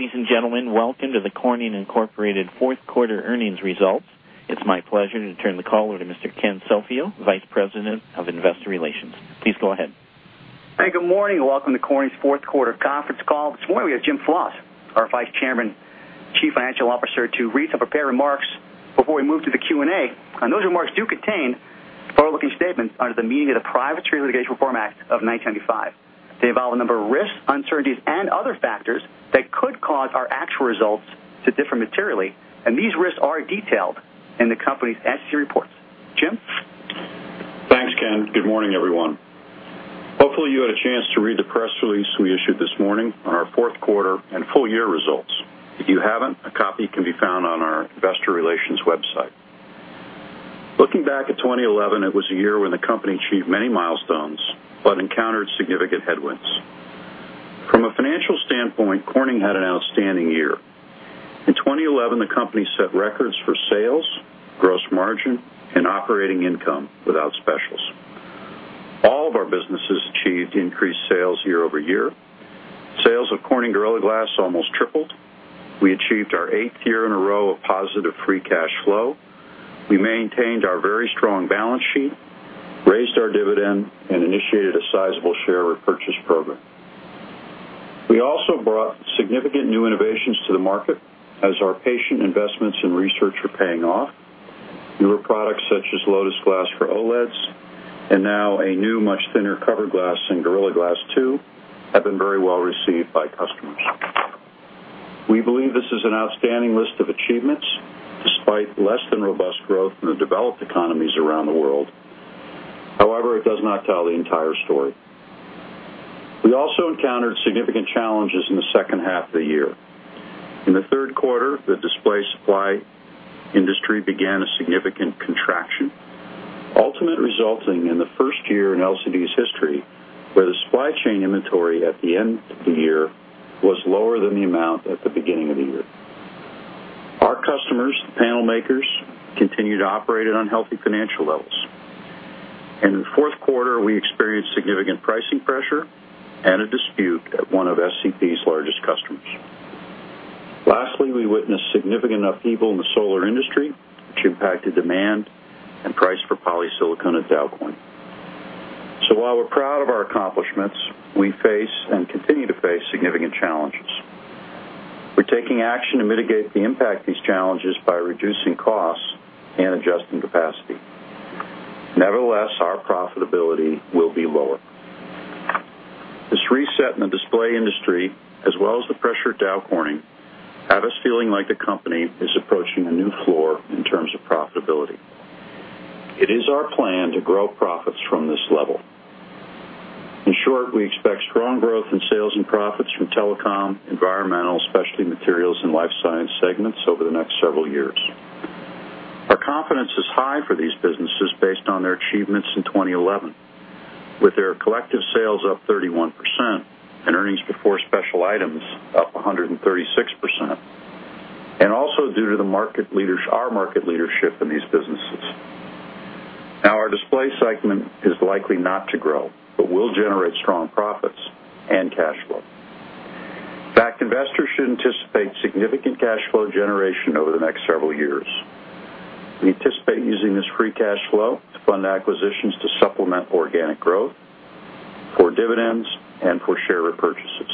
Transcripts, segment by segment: Ladies and gentlemen, welcome to the Corning Incorporated Fourth Quarter Earnings Results. It's my pleasure to turn the call over to Mr. Ken Sofio, Vice President of Investor Relations. Please go ahead. Hey, good morning. Welcome to Corning's fourth quarter conference call. This morning we have Jim Flaws, our Vice Chairman, Chief Financial Officer, to read some prepared remarks before we move to the Q&A. Those remarks do contain forward-looking statements under the meaning of the Private Securities Reform Act of 1995. They involve a number of risks, uncertainties, and other factors that could cause our actual results to differ materially, and these risks are detailed in the company's SEC reports. Jim? Thanks, Ken. Good morning, everyone. Hopefully, you had a chance to read the press release we issued this morning on our fourth quarter and full-year results. If you haven't, a copy can be found on our investor relations website. Looking back at 2011, it was a year when the company achieved many milestones but encountered significant headwinds. From a financial standpoint, Corning had an outstanding year. In 2011, the company set records for sales, gross margin, and operating income without specials. All of our businesses achieved increased sales year-over-year. Sales of Corning Gorilla Glass almost tripled. We achieved our eighth year in a row of positive free cash flow. We maintained our very strong balance sheet, raised our dividend, and initiated a sizable share repurchase program. We also brought significant new innovations to the market as our patient investments in research are paying off. Newer products such as Lotus Glass for OLEDs and now a new, much thinner cover glass in Gorilla Glass 2 have been very well received by customers. We believe this is an outstanding list of achievements despite less than robust growth in the developed economies around the world. However, it does not tell the entire story. We also encountered significant challenges in the second half of the year. In the third quarter, the Display supply industry began a significant contraction, ultimately resulting in the first year in LCD's history where the supply chain inventory at the end of the year was lower than the amount at the beginning of the year. Our customers, panel makers, continued to operate at unhealthy financial levels. In the fourth quarter, we experienced significant pricing pressure and a dispute at one of SCP's largest customers. Lastly, we witnessed significant upheaval in the solar industry, which impacted demand and price for polysilicon at Dow Corning. While we're proud of our accomplishments, we face and continue to face significant challenges. We're taking action to mitigate the impact of these challenges by reducing costs and adjusting capacity. Nevertheless, our profitability will be lower. This reset in the Display industry, as well as the pressure at Dow Corning, have us feeling like the company is approaching a new floor in terms of profitability. It is our plan to grow profits from this level. In short, we expect strong growth in sales and profits from telecom, environmental, specialty materials, and life science segments over the next several years. Our confidence is high for these businesses based on their achievements in 2011, with their collective sales up 31% and earnings before special items up 136%, and also due to our market leadership in these businesses. Now, our Display segment is likely not to grow but will generate strong profits and cash flow. In fact, investors should anticipate significant cash flow generation over the next several years. We anticipate using this free cash flow to fund acquisitions to supplement organic growth, for dividends, and for share repurchases.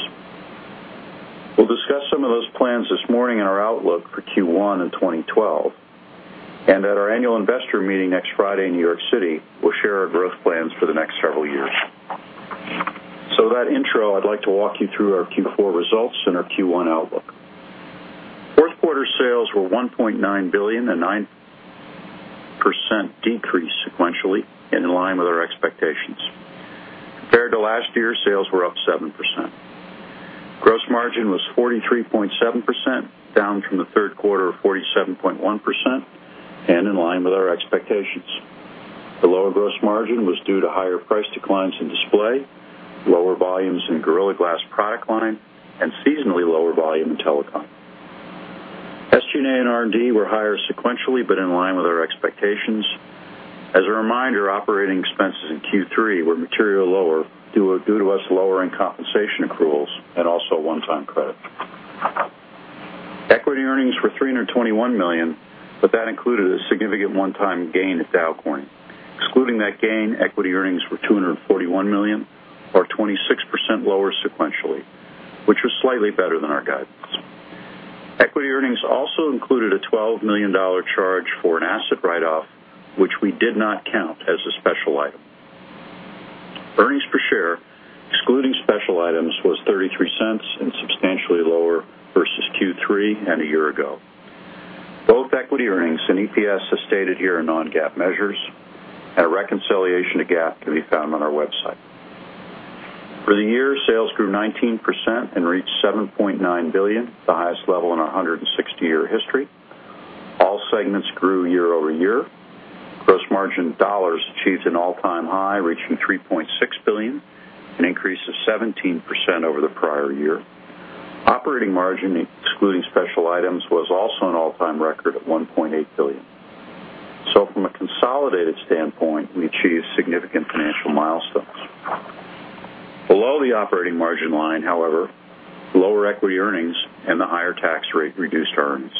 We'll discuss some of those plans this morning in our outlook for Q1 in 2012, and at our annual investor meeting next Friday in New York City, we'll share our growth plans for the next several years. With that intro, I'd like to walk you through our Q4 results and our Q1 outlook. Fourth quarter sales were $1.9 billion, a 9% decrease sequentially, and in line with our expectations. Compared to last year, sales were up 7%. Gross margin was 43.7%, down from the third quarter of 47.1%, and in line with our expectations. The lower gross margin was due to higher price declines in Display, lower volumes in Gorilla Glass product line, and seasonally lower volume in telecom. SG&A and R&D were higher sequentially, but in line with our expectations. As a reminder, operating expenses in Q3 were materially lower due to us lowering compensation accruals and also one-time credit. Equity earnings were $321 million, but that included a significant one-time gain at Dow Corning. Excluding that gain, equity earnings were $241 million, or 26% lower sequentially, which was slightly better than our guidance. Equity earnings also included a $12 million charge for an asset write-off, which we did not count as a special item. Earnings per share, excluding special items, was $0.33 and substantially lower versus Q3 and a year ago. Both equity earnings and EPS, as stated here, are non-GAAP measures, and a reconciliation to GAAP can be found on our website. For the year, sales grew 19% and reached $7.9 billion, the highest level in our 160-year history. All segments grew year-over-year. Gross margin in dollars achieved an all-time high, reaching $3.6 billion, an increase of 17% over the prior year. Operating margin, excluding special items, was also an all-time record at $1.8 billion. From a consolidated standpoint, we achieved significant financial milestones. Below the operating margin line, however, the lower equity earnings and the higher tax rate reduced our earnings.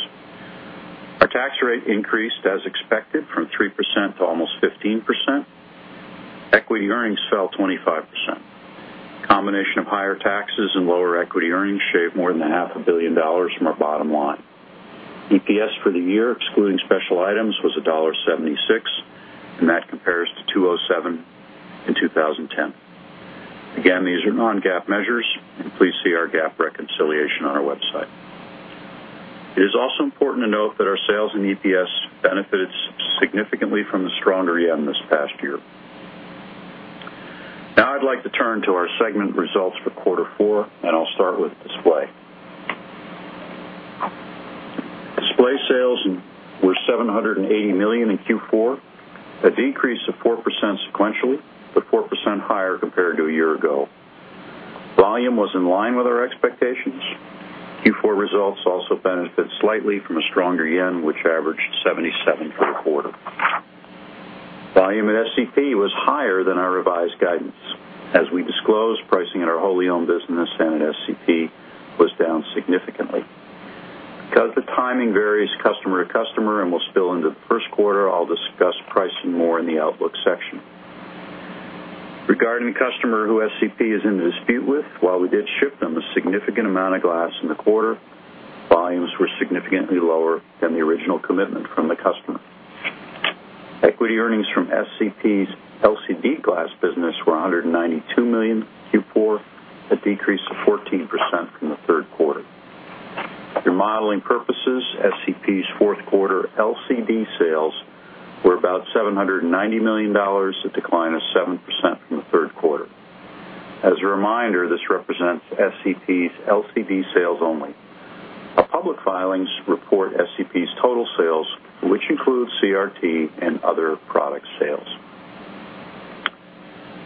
Our tax rate increased as expected from 3% to almost 15%. Equity earnings fell 25%. A combination of higher taxes and lower equity earnings shaved more than $500 million from our bottom line. EPS for the year, excluding special items, was $1.76, and that compares to $2.07 in 2010. Again, these are non-GAAP measures, and please see our GAAP reconciliation on our website. It is also important to note that our sales and EPS benefited significantly from the stronger yen this past year. Now I'd like to turn to our segment results for quarter four, and I'll start with Display. Display sales were $780 million in Q4, a decrease of 4% sequentially, but 4% higher compared to a year ago. Volume was in line with our expectations. Q4 results also benefited slightly from a stronger yen, which averaged 77 for the quarter. Volume at SEC was higher than our revised guidance. As we disclosed, pricing at our wholly owned business and at SEC was down significantly. Because the timing varies customer to customer and will spill into the first quarter, I'll discuss pricing more in the outlook section. Regarding the customer who SEC is in dispute with, while we did ship them a significant amount of glass in the quarter, volumes were significantly lower than the original commitment from the customer. Equity earnings from SEC's LCD glass business were $192 million in Q4, a decrease of 14% from the third quarter. For modeling purposes, SEC's fourth quarter LCD sales were about $790 million, a decline of 7% from the third quarter. As a reminder, this represents SEC's LCD sales only. Our public filings report SEC's total sales, which includes CRT and other product sales.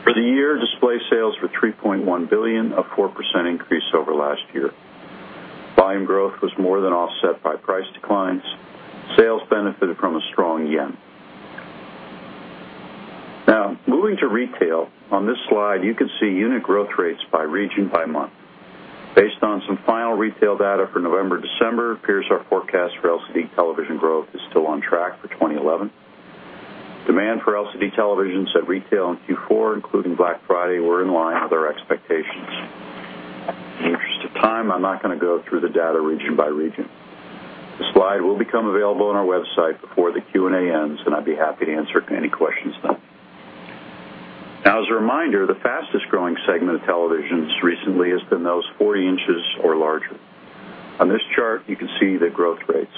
For the year, Display sales were $3.1 billion, a 4% increase over last year. Volume growth was more than offset by price declines. Sales benefited from a strong yen. Now, moving to retail, on this slide, you can see unit growth rates by region by month. Based on some final retail data for November and December, it appears our forecast for LCD television growth is still on track for 2011. Demand for LCD televisions at retail in Q4, including Black Friday, were in line with our expectations. In the interest of time, I'm not going to go through the data region by region. This slide will become available on our website before the Q&A ends, and I'd be happy to answer any questions then. Now, as a reminder, the fastest growing segment of televisions recently has been those 40 in or larger. On this chart, you can see the growth rates.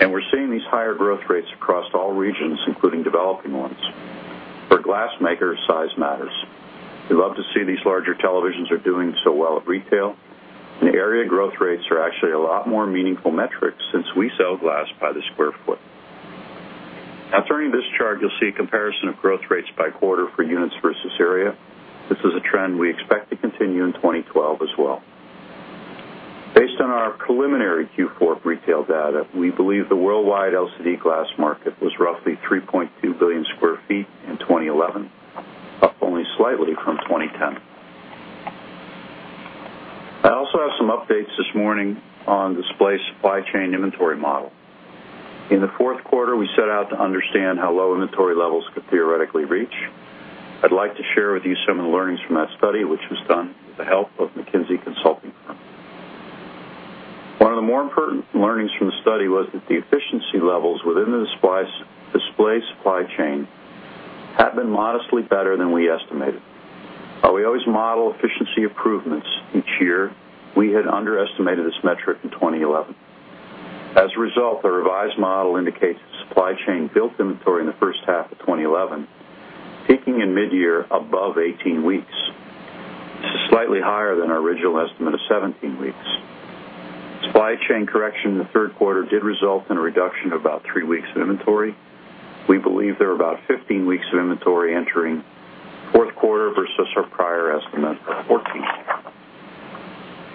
We're seeing these higher growth rates across all regions, including developing ones. For glass makers, size matters. We'd love to see these larger televisions are doing so well at retail. The area growth rates are actually a lot more meaningful metrics since we sell glass by the square foot. Now, turning this chart, you'll see a comparison of growth rates by quarter for units versus area. This is a trend we expect to continue in 2012 as well. Based on our preliminary Q4 retail data, we believe the worldwide LCD glass market was roughly 3.2 billion sq ft in 2011, up only slightly from 2010. I also have some updates this morning on the Display supply chain inventory model. In the fourth quarter, we set out to understand how low inventory levels could theoretically reach. I'd like to share with you some of the learnings from that study, which was done with the help of McKinsey consulting firm. One of the more important learnings from the study was that the efficiency levels within the Display supply chain had been modestly better than we estimated. While we always model efficiency improvements each year, we had underestimated this metric in 2011. As a result, our revised model indicates that the supply chain built inventory in the first half of 2011, peaking in mid-year above 18 weeks. It's slightly higher than our original estimate of 17 weeks. Supply chain correction in the third quarter did result in a reduction of about 3 weeks of inventory. We believe there are about 15 weeks of inventory entering the fourth quarter versus our prior estimate for 14.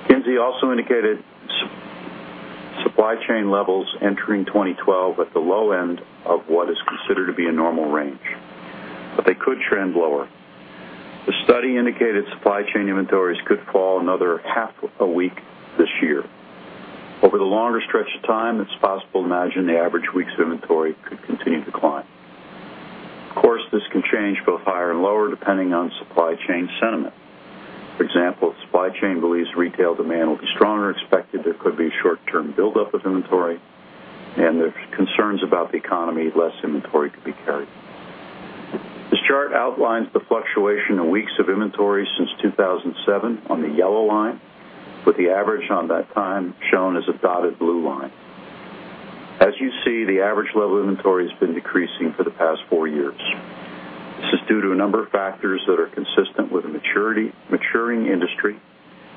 McKinsey also indicated supply chain levels entering 2012 at the low end of what is considered to be a normal range, but they could trend lower. The study indicated supply chain inventories could fall another half a week this year. Over the longer stretch of time, it's possible to imagine the average weeks of inventory could continue to decline. Of course, this can change both higher and lower depending on supply chain sentiment. For example, if the supply chain believes retail demand will be stronger, there could be short-term buildup of inventory, and if there's concerns about the economy, less inventory could be carried. This chart outlines the fluctuation in weeks of inventory since 2007 on the yellow line, with the average on that time shown as a dotted blue line. As you see, the average level of inventory has been decreasing for the past four years. This is due to a number of factors that are consistent with a maturing industry,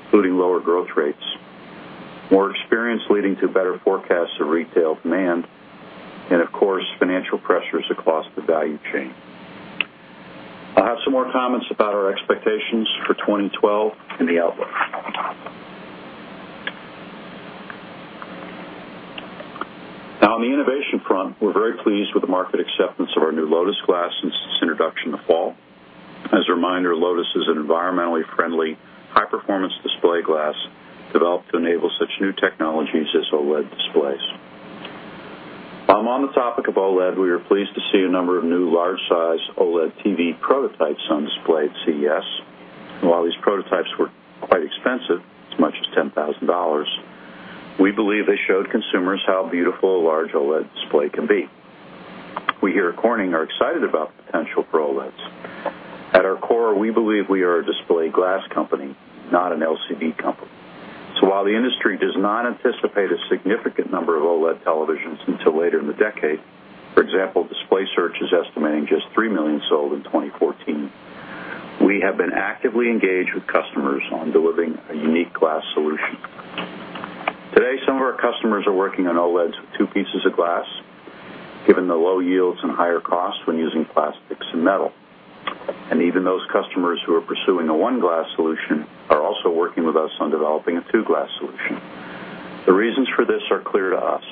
including lower growth rates, more experience leading to better forecasts of retail demand, and, of course, financial pressures across the value chain. I'll have some more comments about our expectations for 2012 and the outlook. Now, on the innovation front, we're very pleased with the market acceptance of our new Lotus Glass since its introduction in the fall. As a reminder, Lotus is an environmentally friendly, high-performance display glass developed to enable such new technologies as OLED displays. While I'm on the topic of OLED, we are pleased to see a number of new large-size OLED TV prototypes on display at CES. While these prototypes were quite expensive, as much as $10,000, we believe they showed consumers how beautiful a large OLEDs display can be. We here at Corning are excited about the potential for OLEDs. At our core, we believe we are a display glass company, not an LCD company. While the industry does not anticipate a significant number of OLED televisions until later in the decade, for example, DisplaySearch is estimating just 3 million sold in 2014, we have been actively engaged with customers in delivering a unique glass solution. Today, some of our customers are working on OLEDs with two pieces of glass, given the low yields and higher costs when using plastics and metal. Even those customers who are pursuing a one-glass solution are also working with us on developing a two-glass solution. The reasons for this are clear to us.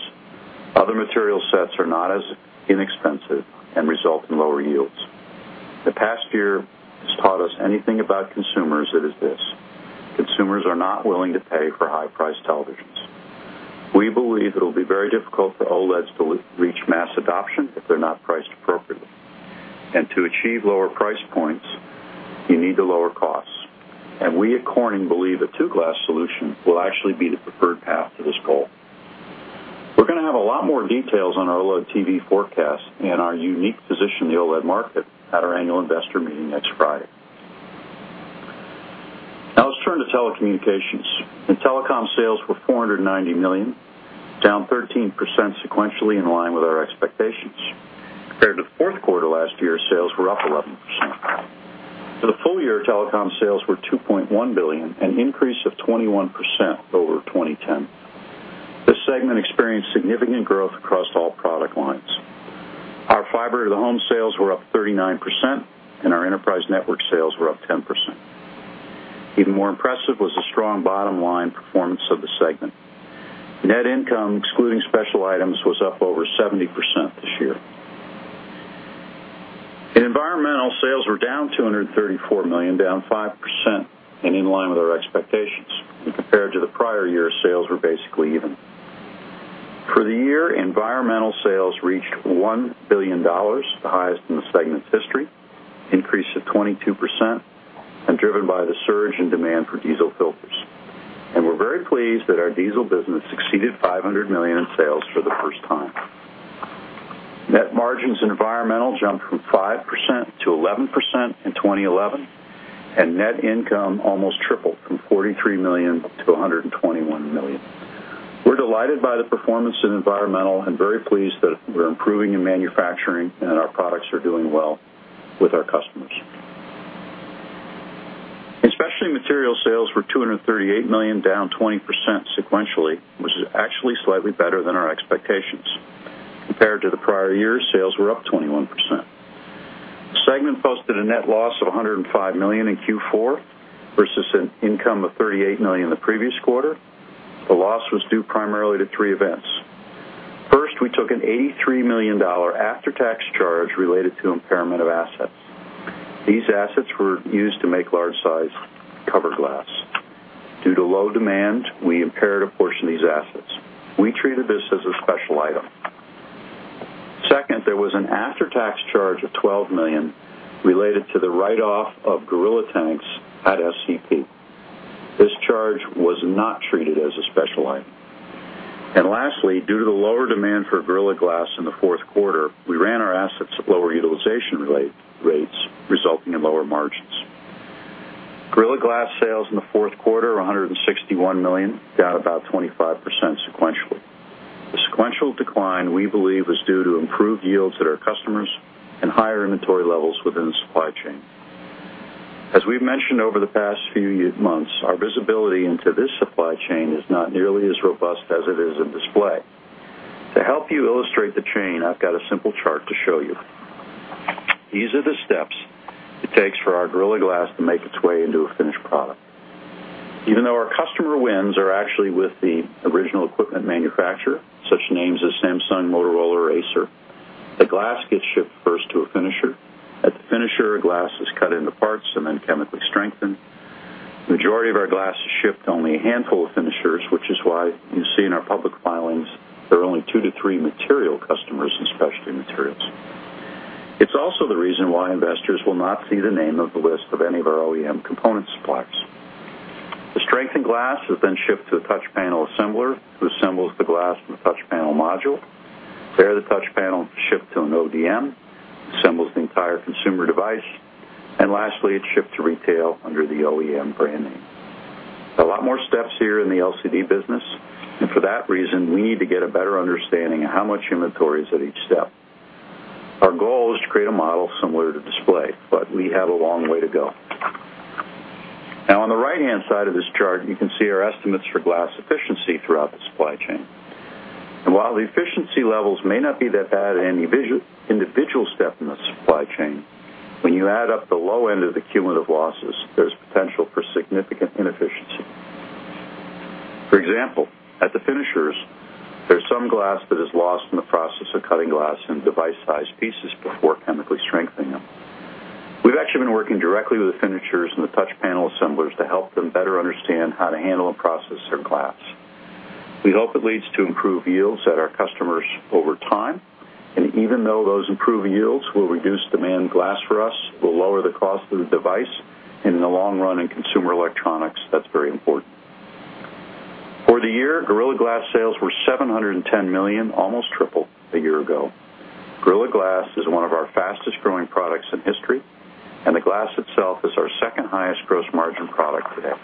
Other material sets are not as inexpensive and result in lower yields. The past year has taught us anything about consumers, it is this: consumers are not willing to pay for high-priced televisions. We believe it'll be very difficult for OLEDs to reach mass adoption if they're not priced appropriately. To achieve lower price points, you need to lower costs. We at Corning believe a two-glass solution will actually be the preferred path to this goal. We're going to have a lot more details on our OLED TV forecast and our unique position in the OLED market at our annual investor meeting next Friday. Now let's turn to telecommunications. In telecom, sales were $490 million, down 13% sequentially, in line with our expectations. Compared to the fourth quarter last year, sales were up 11%. For the full year, telecom sales were $2.1 billion, an increase of 21% over 2010. This segment experienced significant growth across all product lines. Our fiber-to-the-home sales were up 39%, and our enterprise network sales were up 10%. Even more impressive was the strong bottom line performance of the segment. Net income, excluding special items, was up over 70% this year. In environmental, sales were $234 million, down 5%, and in line with our expectations. Compared to the prior year, sales were basically even. For the year, environmental sales reached $1 billion, the highest in the segment's history, an increase of 22%, driven by the surge in demand for diesel filters. We are very pleased that our diesel business exceeded $500 million in sales for the first time. Net margins in environmental jumped from 5% to 11% in 2011, and net income almost tripled from $43 million to $121 million. We are delighted by the performance in environmental and very pleased that we are improving in manufacturing and our products are doing well with our customers. Specialty Materials sales were $238 million, down 20% sequentially, which is actually slightly better than our expectations. Compared to the prior year, sales were up 21%. The segment posted a net loss of $105 million in Q4 versus an income of $38 million in the previous quarter. The loss was due primarily to three events. First, we took an $83 million after-tax charge related to impairment of assets. These assets were used to make large-size cover glass. Due to low demand, we impaired a portion of these assets. We treated this as a special item. Second, there was an after-tax charge of $12 million related to the write-off of Gorilla tanks at SCP. This charge was not treated as a special item. Lastly, due to the lower demand for Gorilla Glass in the fourth quarter, we ran our assets at lower utilization rates, resulting in lower margins. Gorilla Glass sales in the fourth quarter are $161 million, down about 25% sequentially. The sequential decline we believe is due to improved yields at our customers and higher inventory levels within the supply chain. As we've mentioned over the past few months, our visibility into this supply chain is not nearly as robust as it is in Display. To help you illustrate the chain, I've got a simple chart to show you. These are the steps it takes for our Gorilla Glass to make its way into a finished product. Even though our customer wins are actually with the original equipment manufacturer, such names as Samsung, Motorola, or Acer, the glass gets shipped first to a finisher. At the finisher, glass is cut into parts and then chemically strengthened. The majority of our glass is shipped to only a handful of finishers, which is why you see in our public filings there are only two to three material customers in Specialty Materials. It's also the reason why investors will not see the name on the list of any of our OEM component suppliers. The strengthened glass is then shipped to a touch panel assembler who assembles the glass from a touch panel module. There, the touch panel is shipped to an ODM, assembles the entire consumer device, and lastly, it's shipped to retail under the OEM brand name. There are a lot more steps here in the LCD business, and for that reason, we need to get a better understanding of how much inventory is at each step. Our goal is to create a model similar to Display, but we have a long way to go. Now, on the right-hand side of this chart, you can see our estimates for glass efficiency throughout the supply chain. While the efficiency levels may not be that bad in any individual step in the supply chain, when you add up the low end of the cumulative losses, there's potential for significant inefficiency. For example, at the finishers, there's some glass that is lost in the process of cutting glass into device-sized pieces before chemically strengthening them. We've actually been working directly with the finishers and the touch panel assemblers to help them better understand how to handle and process their glass. We hope it leads to improved yields at our customers over time. Even though those improved yields will reduce demand for glass for us, we'll lower the cost of the device, and in the long run, in consumer electronics, that's very important. For the year, Gorilla Glass sales were $710 million, almost triple a year ago. Gorilla Glass is one of our fastest growing products in history, and the glass itself is our second highest gross margin product today.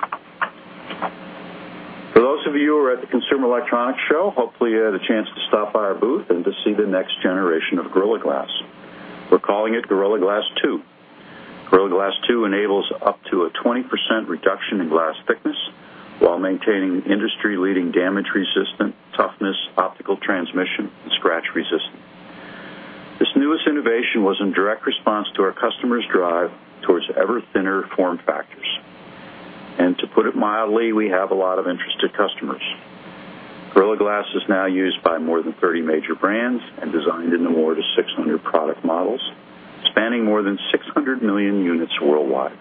For those of you who are at the Consumer Electronics Show, hopefully, you had a chance to stop by our booth and to see the next generation of Gorilla Glass. We're calling it Gorilla Glass 2. Gorilla Glass 2 enables up to a 20% reduction in glass thickness while maintaining industry-leading damage-resistant toughness, optical transmission, and scratch resistance. This newest innovation was in direct response to our customers' drive towards ever-thinner form factors. To put it mildly, we have a lot of interested customers. Gorilla Glass is now used by more than 30 major brands and designed into more than 600 new product models, spanning more than 600 million units worldwide.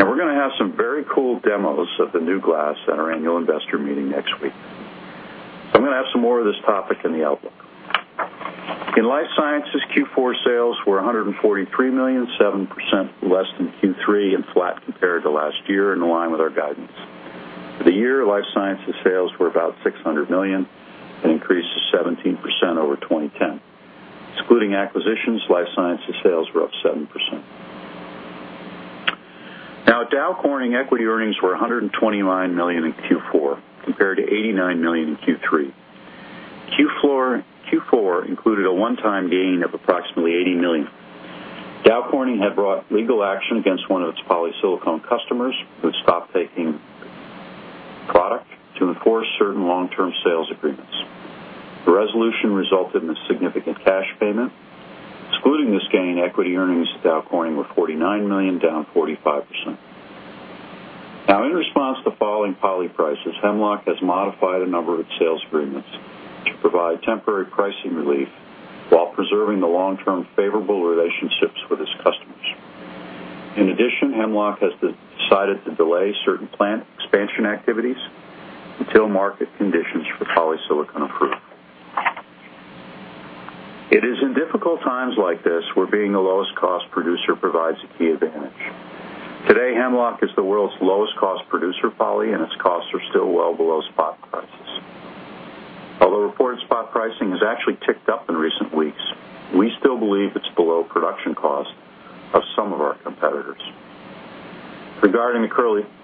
We are going to have some very cool demos of the new glass at our annual investor meeting next week. I am going to have some more of this topic in the outlook. In Life Sciences, Q4 sales were $143 million, 7% less than Q3 and flat compared to last year, in line with our guidance. For the year, Life Sciences sales were about $600 million, an increase of 17% over 2010. Excluding acquisitions, Life Sciences sales were up 7%. At Dow Corning, equity earnings were $129 million in Q4 compared to $89 million in Q3. Q4 included a one-time gain of approximately $80 million. Dow Corning had brought legal action against one of its polysilicon customers who had stopped taking product to enforce certain long-term sales agreements. The resolution resulted in a significant cash payment. Excluding this gain, equity earnings at Dow Corning were $49 million, down 45%. In response to falling poly prices, Hemlock has modified a number of its sales agreements to provide temporary pricing relief while preserving the long-term favorable relationships with its customers. In addition, Hemlock has decided to delay certain plant expansion activities until market conditions for polysilicon improve. It is in difficult times like this where being the lowest cost producer provides a key advantage. Today, Hemlock is the world's lowest cost producer of poly, and its costs are still well below spot prices. Although reported spot pricing has actually ticked up in recent weeks, we still believe it is below production cost of some of our competitors. Regarding the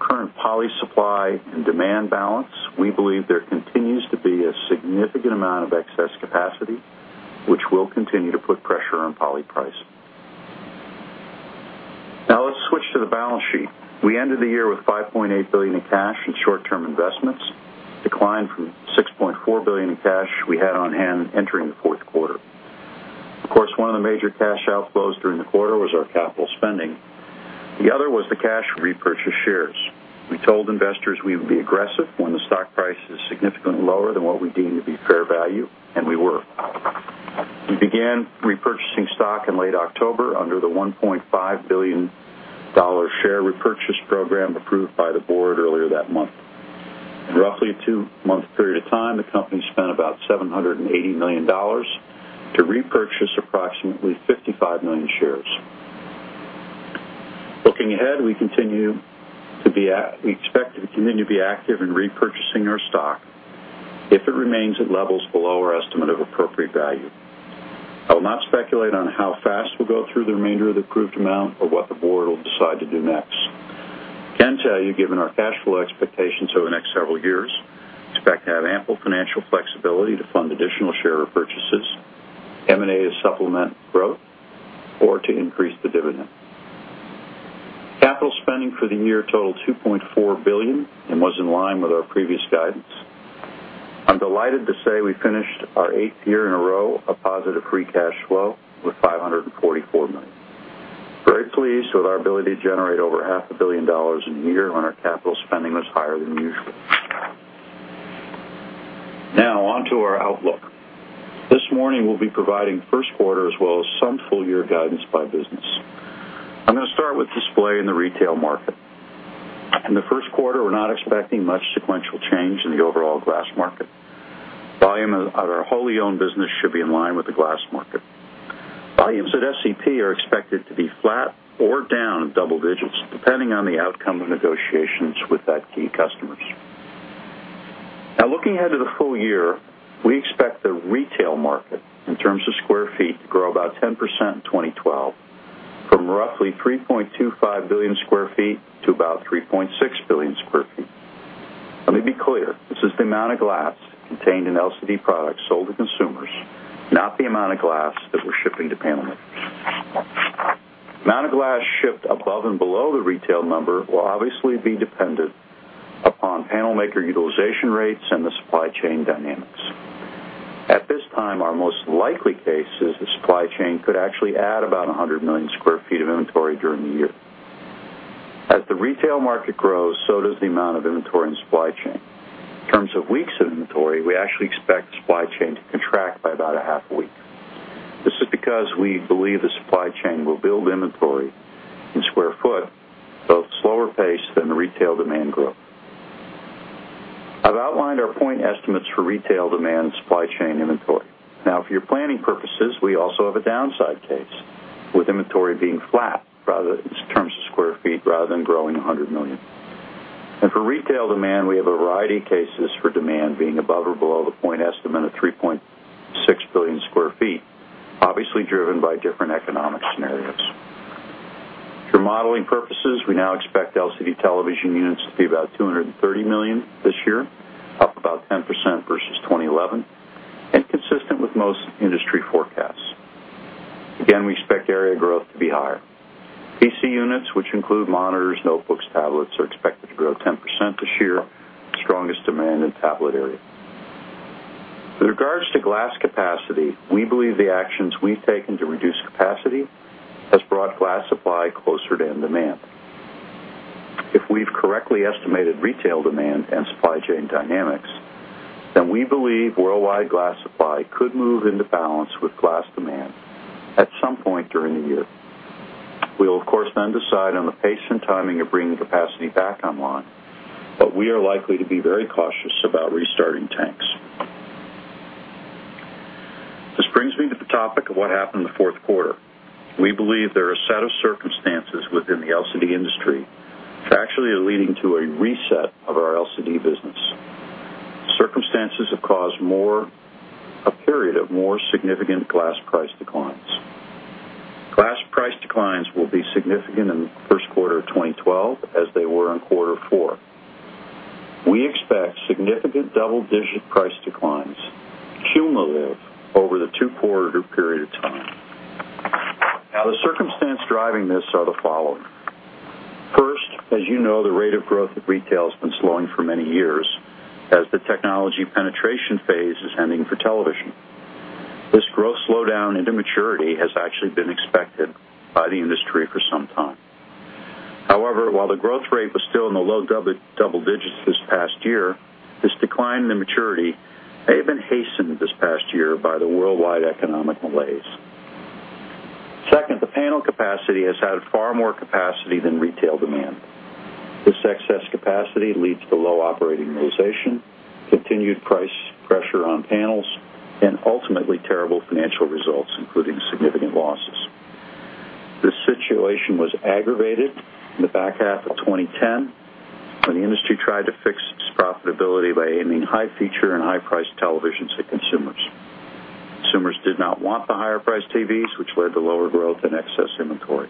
current poly supply and demand balance, we believe there continues to be a significant amount of excess capacity, which will continue to put pressure on poly pricing. Let's switch to the balance sheet. We ended the year with $5.8 billion in cash and short-term investments, declined from $6.4 billion in cash we had on hand entering the fourth quarter. Of course, one of the major cash outflows during the quarter was our capital spending. The other was the cash repurchase shares. We told investors we would be aggressive when the stock price is significantly lower than what we deem to be fair value, and we were. We began repurchasing stock in late October under the $1.5 billion share repurchase program approved by the board earlier that month. In roughly a two-month period of time, the company spent about $780 million to repurchase approximately 55 million shares. Looking ahead, we continue to be expected to continue to be active in repurchasing our stock if it remains at levels below our estimate of appropriate value. I will not speculate on how fast we'll go through the remainder of the approved amount or what the board will decide to do next. I can tell you, given our cash flow expectations over the next several years, we expect to have ample financial flexibility to fund additional share purchases, targeted M&A to supplement growth, or to increase the dividend. Capital spending for the year totaled $2.4 billion and was in line with our previous guidance. I'm delighted to say we finished our eighth year in a row of positive free cash flow with $544 million. We're very pleased with our ability to generate over half a billion dollars in a year when our capital spending was higher than usual. Now, onto our outlook. This morning, we'll be providing first quarter as well as some full-year guidance by business. I'm going to start with Display in the retail market. In the first quarter, we're not expecting much sequential change in the overall glass market. Volume of our wholly owned business should be in line with the glass market. Volumes at SCP are expected to be flat or down in double digits, depending on the outcome of negotiations with that key customer. Now, looking ahead to the full year, we expect the retail market in terms of sq ft to grow about 10% in 2012, from roughly 3.25 billion sq ft to about 3.6 billion sq ft. Let me be clear. This is the amount of glass contained in LCD products sold to consumers, not the amount of glass that we're shipping to panel makers. The amount of glass shipped above and below the retail number will obviously be dependent upon panel maker utilization rates and the supply chain dynamics. At this time, our most likely case is the supply chain could actually add about 100 million sq ft of inventory during the year. As the retail market grows, so does the amount of inventory in the supply chain. In terms of weeks of inventory, we actually expect the supply chain to contract by about half a week. This is because we believe the supply chain will build inventory in square foot at a slower pace than the retail demand growth. I've outlined our point estimates for retail demand and supply chain inventory. Now, for your planning purposes, we also have a downside case with inventory being flat in terms of sq ft rather than growing 100 million. For retail demand, we have a variety of cases for demand being above or below the point estimate of 3.6 billion sq ft, obviously driven by different economic scenarios. For modeling purposes, we now expect LCD television units to be about 230 million this year, up about 10% versus 2011, and consistent with most industry forecasts. Again, we expect area growth to be higher. PC units, which include monitors, notebooks, tablets, are expected to grow 10% this year, strongest demand in the tablet area. With regards to glass capacity, we believe the actions we've taken to reduce capacity have brought glass supply closer to end demand. If we've correctly estimated retail demand and supply chain dynamics, then we believe worldwide glass supply could move into balance with glass demand at some point during the year. We'll, of course, then decide on the pace and timing of bringing capacity back online, but we are likely to be very cautious about restarting tanks. This brings me to the topic of what happened in the fourth quarter. We believe there are a set of circumstances within the LCD industry that actually are leading to a reset of our LCD business. The circumstances have caused a period of more significant glass price declines. Glass price declines will be significant in the first quarter of 2012 as they were in quarter four. We expect significant double-digit price declines cumulative over the two-quarter period of time. Now, the circumstance driving this are the following. First, as you know, the rate of growth at retail has been slowing for many years as the technology penetration phase is ending for television. This growth slowdown into maturity has actually been expected by the industry for some time. However, while the growth rate was still in the low double digits this past year, this decline in maturity may have been hastened this past year by the worldwide economic malaise. Second, the panel capacity has had far more capacity than retail demand. This excess capacity leads to low operating utilization, continued price pressure on panels, and ultimately terrible financial results, including significant losses. This situation was aggravated in the back half of 2010 when the industry tried to fix its profitability by aiming high-feature and high-priced televisions at consumers. Consumers did not want the higher-priced TVs, which led to lower growth and excess inventory.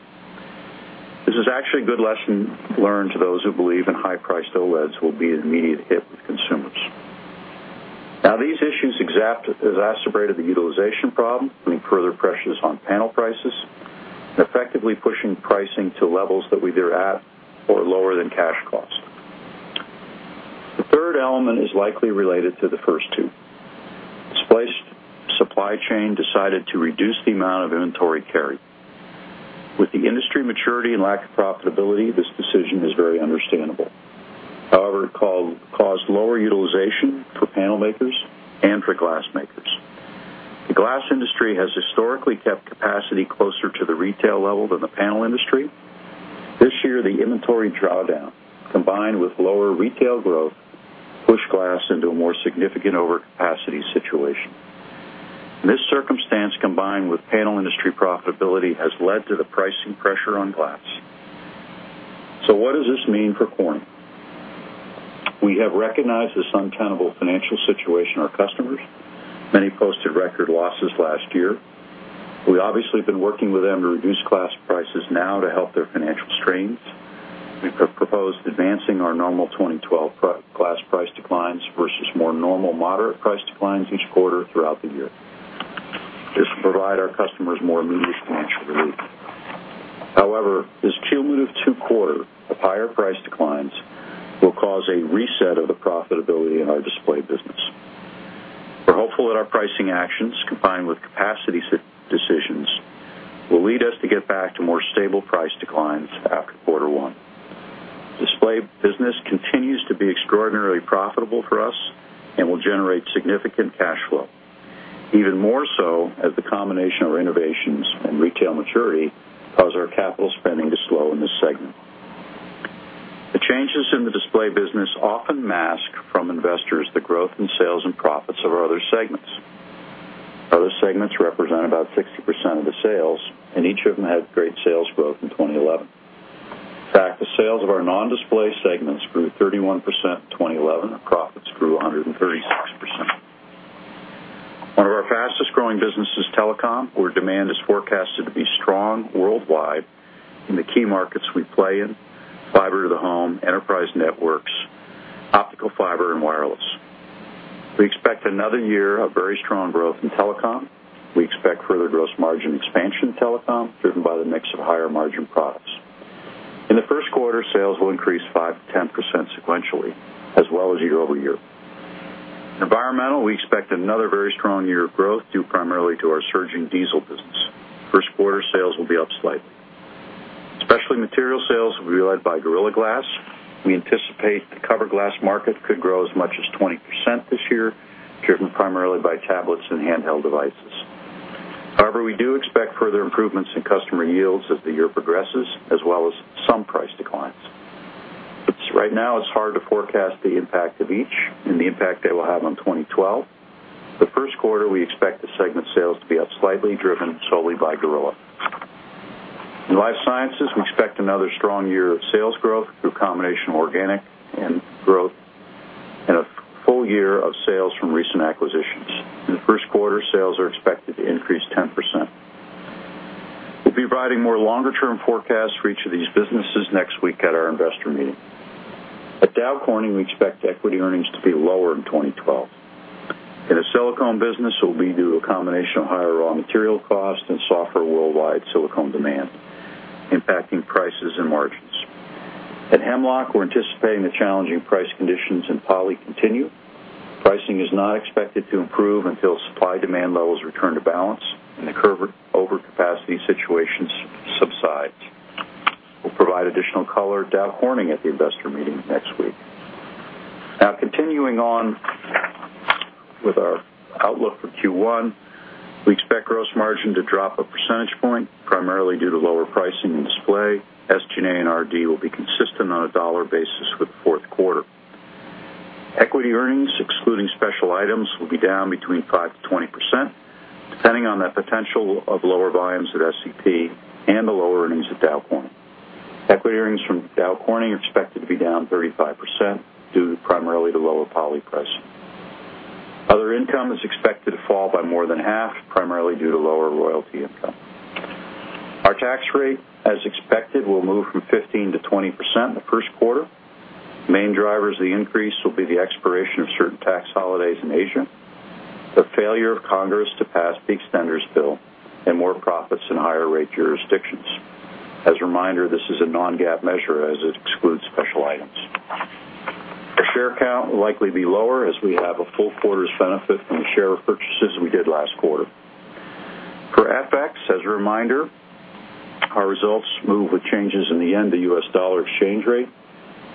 This is actually a good lesson learned to those who believe high-priced OLEDs will be an immediate hit with consumers. Now, these issues exacerbated the utilization problem, putting further pressures on panel prices and effectively pushing pricing to levels that were either at or lower than cash costs. The third element is likely related to the first two. Displaced supply chain decided to reduce the amount of inventory carried. With the industry maturity and lack of profitability, this decision is very understandable. However, it caused lower utilization for panel makers and for glass makers. The glass industry has historically kept capacity closer to the retail level than the panel industry. This year, the inventory drawdown combined with lower retail growth pushed glass into a more significant overcapacity situation. This circumstance, combined with panel industry profitability, has led to the pricing pressure on glass. What does this mean for Corning? We have recognized this untenable financial situation of our customers. Many posted record losses last year. We've obviously been working with them to reduce glass prices now to help their financial strains. We propose advancing our normal 2012 glass price declines versus more normal moderate price declines each quarter throughout the year. This will provide our customers more immediate financial relief. However, this cumulative two-quarter of higher price declines will cause a reset of the profitability in our Display business. We're hopeful that our pricing actions, combined with capacity decisions, will lead us to get back to more stable price declines after quarter one. Display business continues to be extraordinarily profitable for us and will generate significant cash flow, even more so as the combination of our innovations and retail maturity cause our capital spending to slow in this segment. The changes in the Display business often mask from investors the growth in sales and profits of our other segments. Other segments represent about 60% of the sales, and each of them had great sales growth in 2011. In fact, the sales of our non-Display segments grew 31% in 2011, and profits grew 136%. One of our fastest growing businesses is telecom, where demand is forecasted to be strong worldwide in the key markets we play in: fiber to the home, enterprise networks, optical fiber, and wireless. We expect another year of very strong growth in telecom. We expect further gross margin expansion in telecom, driven by the mix of higher margin products. In the first quarter, sales will increase 5%- to 10% sequentially, as well as year-over-year. Environmental, we expect another very strong year of growth, due primarily to our surging diesel business. First quarter sales will be up slightly. Specialty Material sales will be led by Gorilla Glass. We anticipate the covered glass market could grow as much as 20% this year, driven primarily by tablets and handheld devices. However, we do expect further improvements in customer yields as the year progresses, as well as some price declines. Right now, it's hard to forecast the impact of each and the impact they will have on 2012. For the first quarter, we expect the segment sales to be up slightly, driven solely by Gorilla. In life sciences, we expect another strong year of sales growth through a combination of organic growth and a full year of sales from recent acquisitions. In the first quarter, sales are expected to increase 10%. We'll be providing more longer-term forecasts for each of these businesses next week at our investor meeting. At Dow Corning, we expect equity earnings to be lower in 2012. In the silicon business, it will be due to a combination of higher raw material costs and softer worldwide silicon demand, impacting prices and margins. At Hemlock, we're anticipating the challenging price conditions in poly continue. Pricing is not expected to improve until supply-demand levels return to balance and the curve overcapacity situation subsides. We'll provide additional color at Dow Corning at the investor meeting next week. Now, continuing on with our outlook for Q1, we expect gross margin to drop a percentage point, primarily due to lower pricing in Display. SG&A and R&D will be consistent on a dollar basis for the fourth quarter. Equity earnings, excluding special items, will be down between 5%-20%, depending on the potential of lower volumes at SCP and the lower earnings at Dow Corning. Equity earnings from Dow Corning are expected to be down 35% due primarily to lower poly pricing. Other income is expected to fall by more than half, primarily due to lower royalty income. Our tax rate, as expected, will move from 15%-20% in the first quarter. The main drivers of the increase will be the expiration of certain tax holidays in Asia, the failure of Congress to pass the extenders bill, and more profits in higher-rate jurisdictions. As a reminder, this is a non-GAAP measure as it excludes special items. Our share count will likely be lower as we have a full quarter's benefit from the share repurchases we did last quarter. For FX, as a reminder, our results move with changes in the yen to U.S. dollar exchange rate.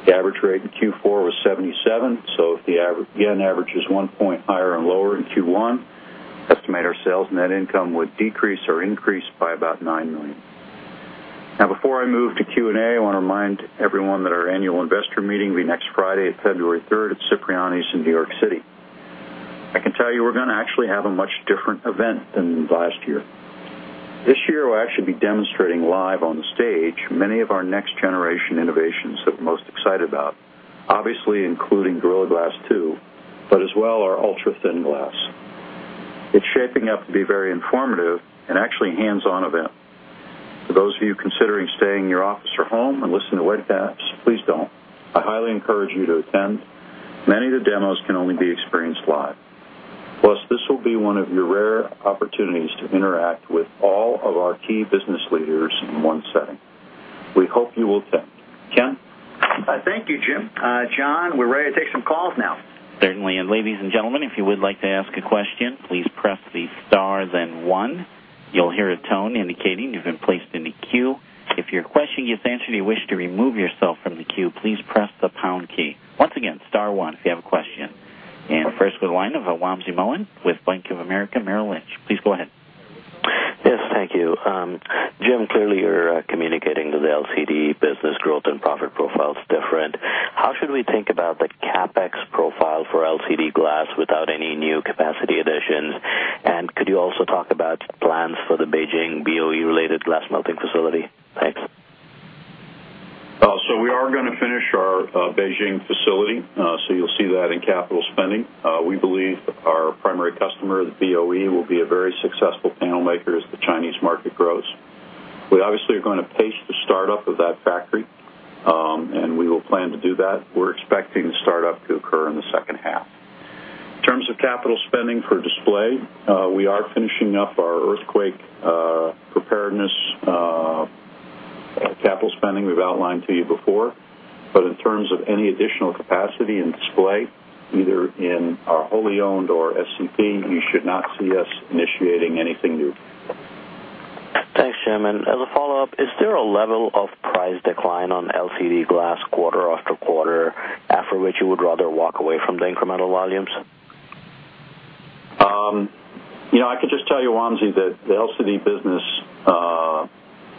The average rate in Q4 was 77, so if the yen average is one point higher or lower in Q1, estimate our sales and net income would decrease or increase by about $9 million. Now, before I move to Q&A, I want to remind everyone that our annual investor meeting will be next Friday, February 3rd, at Cipriani's in New York City. I can tell you we're going to actually have a much different event than last year. This year, we'll actually be demonstrating live on the stage many of our next-generation innovations that we're most excited about, obviously including Gorilla Glass 2, but as well our ultra-thin glass. It's shaping up to be a very informative and actually hands-on event. For those of you considering staying in your office or home and listening to webcast, please don't. I highly encourage you to attend. Many of the demos can only be experienced live. Plus, this will be one of your rare opportunities to interact with all of our key business leaders in one setting. We hope you will attend. Ken? Thank you, Jim. John, we're ready to take some calls now. Certainly. Ladies and gentlemen, if you would like to ask a question, please press the star, then one. You'll hear a tone indicating you've been placed in the queue. If your question gets answered and you wish to remove yourself from the queue, please press the pound key. Once again, star one if you have a question. First, we have a line of Wamsi Mohan with Bank of America Merril Lynch. Please go ahead. Yes, thank you. Jim, clearly you're communicating that the LCD business growth and profit profile is different. How should we think about the CapEx profile for LCD glass without any new capacity additions? Could you also talk about plans for the Beijing BOE-related glass melting facility? Thanks. We are going to finish our Beijing facility, so you'll see that in capital spending. We believe that our primary customer, the BOE, will be a very successful panel maker as the Chinese market grows. We obviously are going to pace the startup of that factory, and we will plan to do that. We're expecting the startup to occur in the second half. In terms of capital spending for Display, we are finishing up our earthquake preparedness capital spending we've outlined to you before. In terms of any additional capacity in Display, either in our wholly owned or SEP, you should not see us initiating anything new. Thanks, Chairman. As a follow-up, is there a level of price decline on LCD glass quarter after quarter, after which you would rather walk away from the incremental volumes? You know, I could just tell you, Wamsi, that the LCD business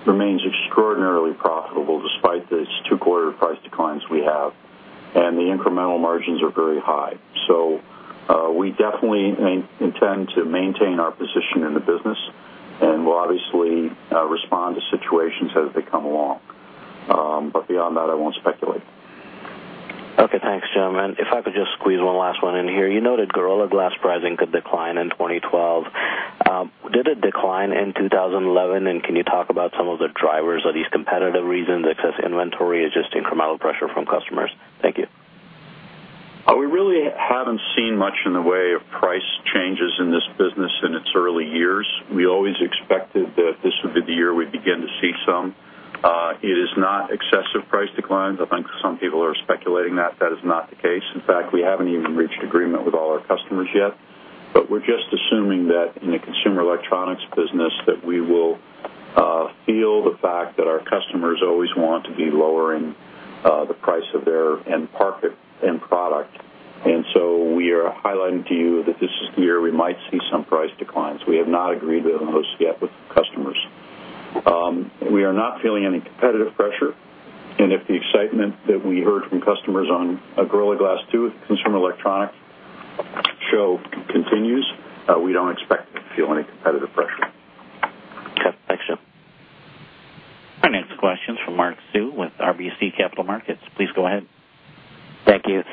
remains extraordinarily profitable despite these two-quarter price declines we have, and the incremental margins are very high. We definitely intend to maintain our position in the business and will obviously respond to situations as they come along. Beyond that, I won't speculate. Okay, thanks, Chairman. If I could just squeeze one last one in here. You noted Gorilla Glass pricing could decline in 2012. Did it decline in 2011, and can you talk about some of the drivers of these competitive reasons, excess inventory, and just incremental pressure from customers? Thank you. We really haven't seen much in the way of price changes in this business in its early years. We always expected that this would be the year we'd begin to see some. It is not excessive price declines. I think some people are speculating that. That is not the case. In fact, we haven't even reached agreement with all our customers yet. We are just assuming that in the consumer electronics business we will feel the fact that our customers always want to be lowering the price of their end product. We are highlighting to you that this is the year we might see some price declines. We have not agreed to those yet with customers. We are not feeling any competitive pressure. If the excitement that we heard from customers on Gorilla Glass 2 with consumer electronics continues, we don't expect to feel any competitive pressure. Okay, thanks, Jim. Financial questions from Mark Sue with RBC Capital Markets. Please go ahead. Thank you.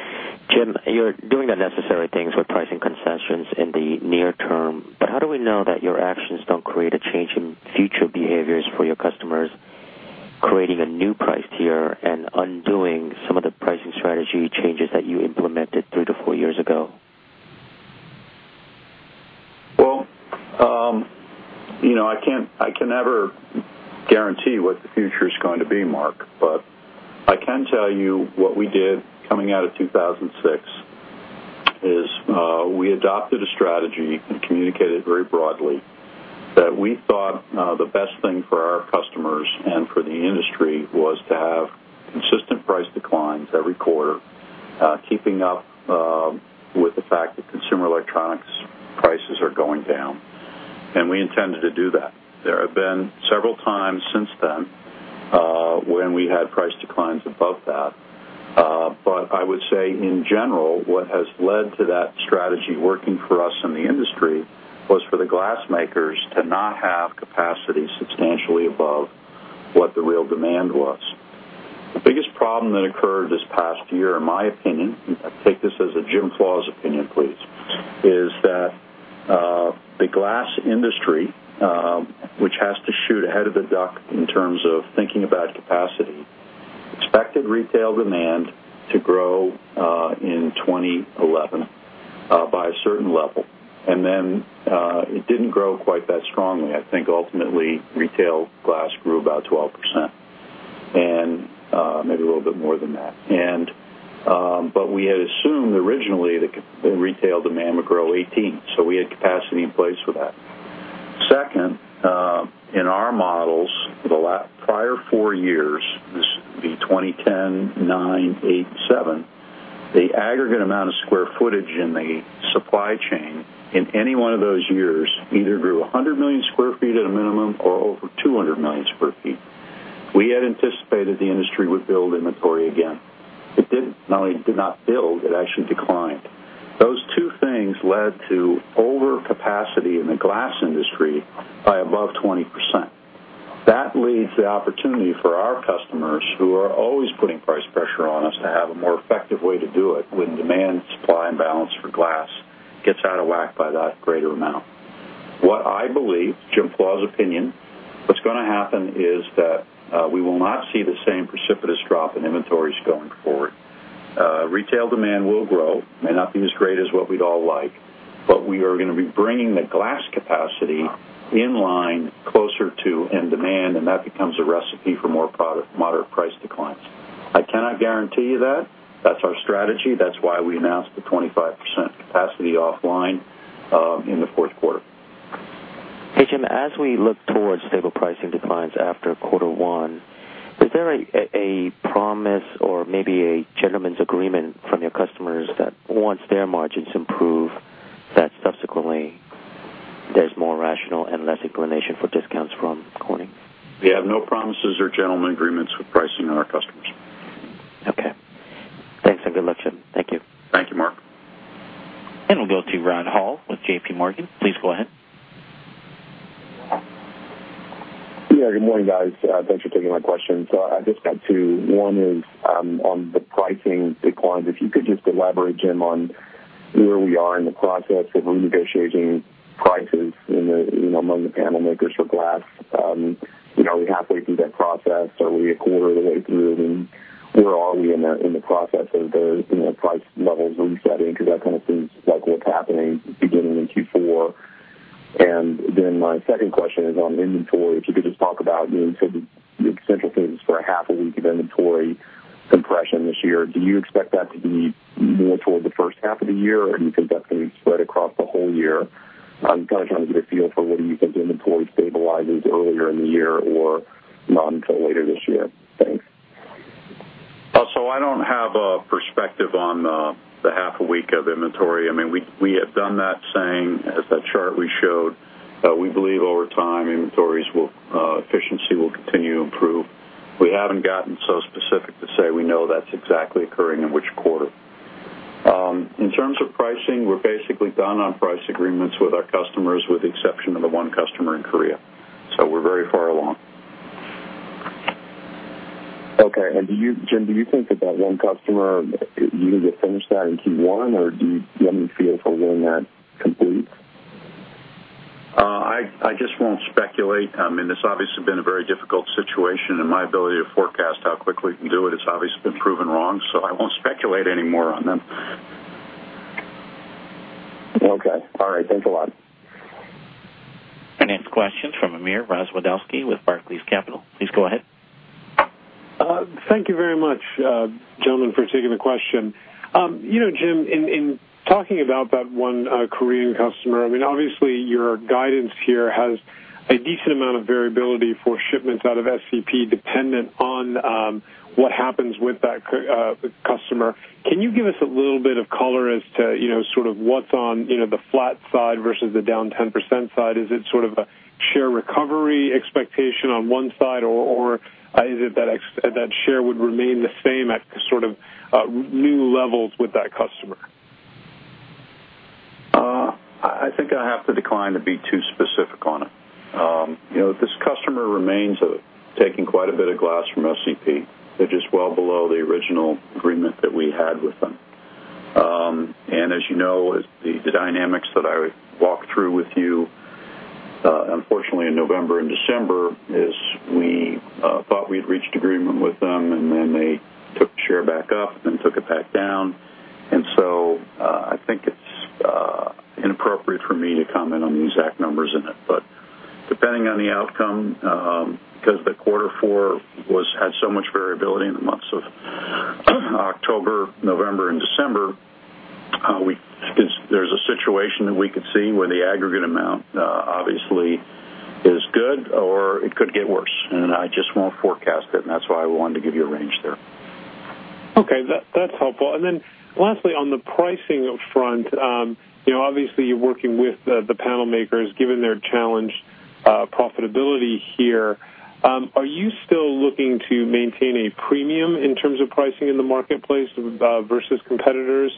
Jim, you're doing the necessary things with pricing concessions in the near term, but how do we know that your actions don't create a change in future behaviors for your customers, creating a new price tier and undoing some of the pricing strategy changes that you implemented three to four years ago? I can never guarantee what the future is going to be, Mark. I can tell you what we did coming out of 2006 is we adopted a strategy and communicated very broadly that we thought the best thing for our customers and for the industry was to have consistent price declines every quarter, keeping up with the fact that consumer electronics prices are going down. We intended to do that. There have been several times since then when we had price declines above that. I would say, in general, what has led to that strategy working for us in the industry was for the glass makers to not have capacity substantially above what the real demand was. The biggest problem that occurred this past year, in my opinion, I take this as a Jim Flaws opinion, please, is that the glass industry, which has to shoot ahead of the duck in terms of thinking about capacity, expected retail demand to grow in 2011 by a certain level. It didn't grow quite that strongly. I think ultimately retail glass grew about 12% and maybe a little bit more than that. We had assumed originally that retail demand would grow 18%. We had capacity in place for that. In our models, the prior four years, 2010, 2009, 2008, 2007, the aggregate amount of square footage in the supply chain in any one of those years either grew 100 million sq ft at a minimum or over 200 million sq ft. We had anticipated the industry would build inventory again. It didn't. Not only did it not build, it actually declined. Those two things led to overcapacity in the glass industry by above 20%. That leaves the opportunity for our customers, who are always putting price pressure on us, to have a more effective way to do it when demand and supply imbalance for glass gets out of whack by that greater amount. What I believe, Jim Flaws opinion, what's going to happen is that we will not see the same precipitous drop in inventories going forward. Retail demand will grow. It may not be as great as what we'd all like, but we are going to be bringing the glass capacity in line closer to end demand, and that becomes a recipe for more moderate price declines. I cannot guarantee you that. That's our strategy. That's why we announced the 25% capacity offline in the fourth quarter. Hey, Jim, as we look towards stable pricing declines after quarter one, is there a promise or maybe a gentleman's agreement from your customers that once their margins improve, that subsequently there's more rational and less inclination for discounts from Corning? We have no promises or gentleman agreements with pricing on our customers. Okay. Thanks and good luck, Jim. Thank you. Thank you, Mark. We will go to Rod Hall with JPMorgan. Please go ahead. Yeah, good morning, guys. Thanks for taking my question. I just got two. One is on the price declines. If you could just elaborate, Jim, on where we are in the process of renegotiating prices among the panel makers for glass. You know, we'd have to go through that process. Are we a quarter of the way through it? Where are we in the process of the price levels? Are we stepping into that kind of phase like what's happening beginning in Q4? My second question is on inventory. If you could just talk about, you said the central thing is for a half a week of inventory compression this year. Do you expect that to be more toward the first half of the year, or do you think that's going to be spread across the whole year? I'm trying to get a feel for whether you think inventory stabilizes earlier in the year or not until later this year. I don't have a perspective on the half a week of inventory. I mean, we have done that, as that chart we showed. We believe over time inventories will, efficiency will continue to improve. We haven't gotten so specific to say we know that's exactly occurring in which quarter. In terms of pricing, we're basically done on price agreements with our customers, with the exception of the one customer in Korea. We're very far along. Okay. Jim, do you think that that one customer usually finished that in Q1, or do you see any fear from hearing that complete? I just won't speculate. I mean, it's obviously been a very difficult situation, and my ability to forecast how quickly it can do it has obviously been proven wrong. I won't speculate anymore on them. Okay, all right. Thanks a lot. Financial questions from Amir Rozwadowski with Barclays Capital. Please go ahead. Thank you very much, gentlemen, for taking the question. Jim, in talking about that one Korean customer, obviously, your guidance here has a decent amount of variability for shipments out of SEP dependent on what happens with that customer. Can you give us a little bit of color as to what's on the flat side versus the down 10% side? Is it a share recovery expectation on one side, or is it that the share would remain the same at new levels with that customer? I think I have to decline to be too specific on it. You know, this customer remains taking quite a bit of glass from SEP. They're just well below the original agreement that we had with them. As you know, the dynamics that I walked through with you, unfortunately, in November and December is we thought we had reached agreement with them, and they took the share back up, then took it back down. I think it's inappropriate for me to comment on the exact numbers in it. Depending on the outcome, because the fourth quarter had so much variability in the months of October, November, and December, there's a situation that we could see where the aggregate amount obviously is good, or it could get worse. I just won't forecast it, and that's why I wanted to give you a range there. Okay. That's helpful. Lastly, on the pricing upfront, obviously, you're working with the panel makers, given their challenged profitability here. Are you still looking to maintain a premium in terms of pricing in the marketplace versus competitors,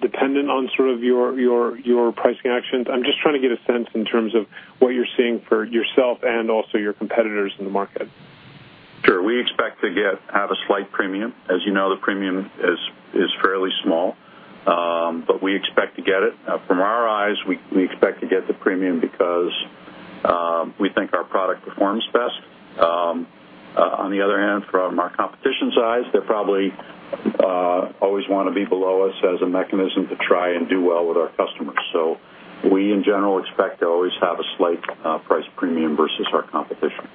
dependent on sort of your pricing actions? I'm just trying to get a sense in terms of what you're seeing for yourself and also your competitors in the market. Sure. We expect to have a slight premium. As you know, the premium is fairly small, but we expect to get it. From our eyes, we expect to get the premium because we think our product performs best. On the other hand, from our competition's eyes, they probably always want to be below us as a mechanism to try and do well with our customers. We, in general, expect to always have a slight price premium versus our competition.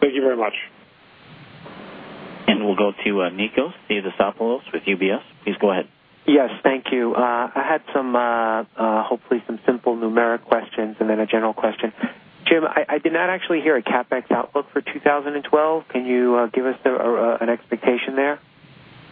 Thank you very much. We will go to Nikos Theodosopoulos with UBS. Please go ahead. Yes, thank you. I had some, hopefully, some simple numeric questions and then a general question. Jim, I did not actually hear a CapEx outlook for 2012. Can you give us an expectation there?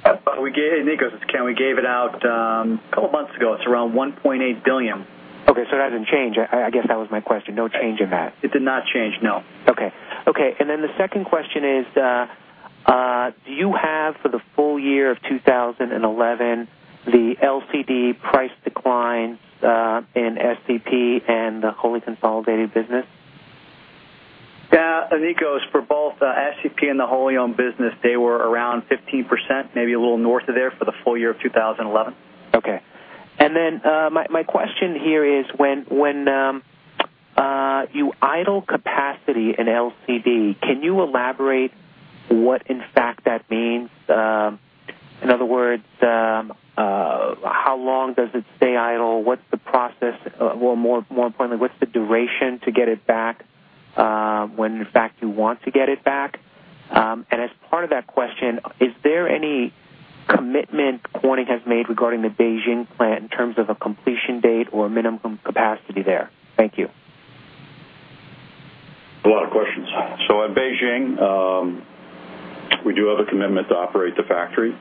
Nico's, we gave it out a couple of months ago. It's around $1.8 billion. Okay, it hasn't changed. I guess that was my question. No change in that. It did not change, no. Okay. Okay. The second question is, do you have for the full year of 2011 the LCD price declines in SEP and the wholly consolidated business? Nikos, for both SEP and the wholly owned business, they were around 15%, maybe a little north of there for the full year of 2011. Okay. My question here is, when you idle capacity in LCD, can you elaborate what in fact that means? In other words, how long does it stay idle? What's the process? More importantly, what's the duration to get it back when in fact you want to get it back? As part of that question, is there any commitment Corning has made regarding the Beijing plant in terms of a completion date or minimum capacity there? Thank you. A lot of questions. In Beijing, we do have a commitment to operate the factory.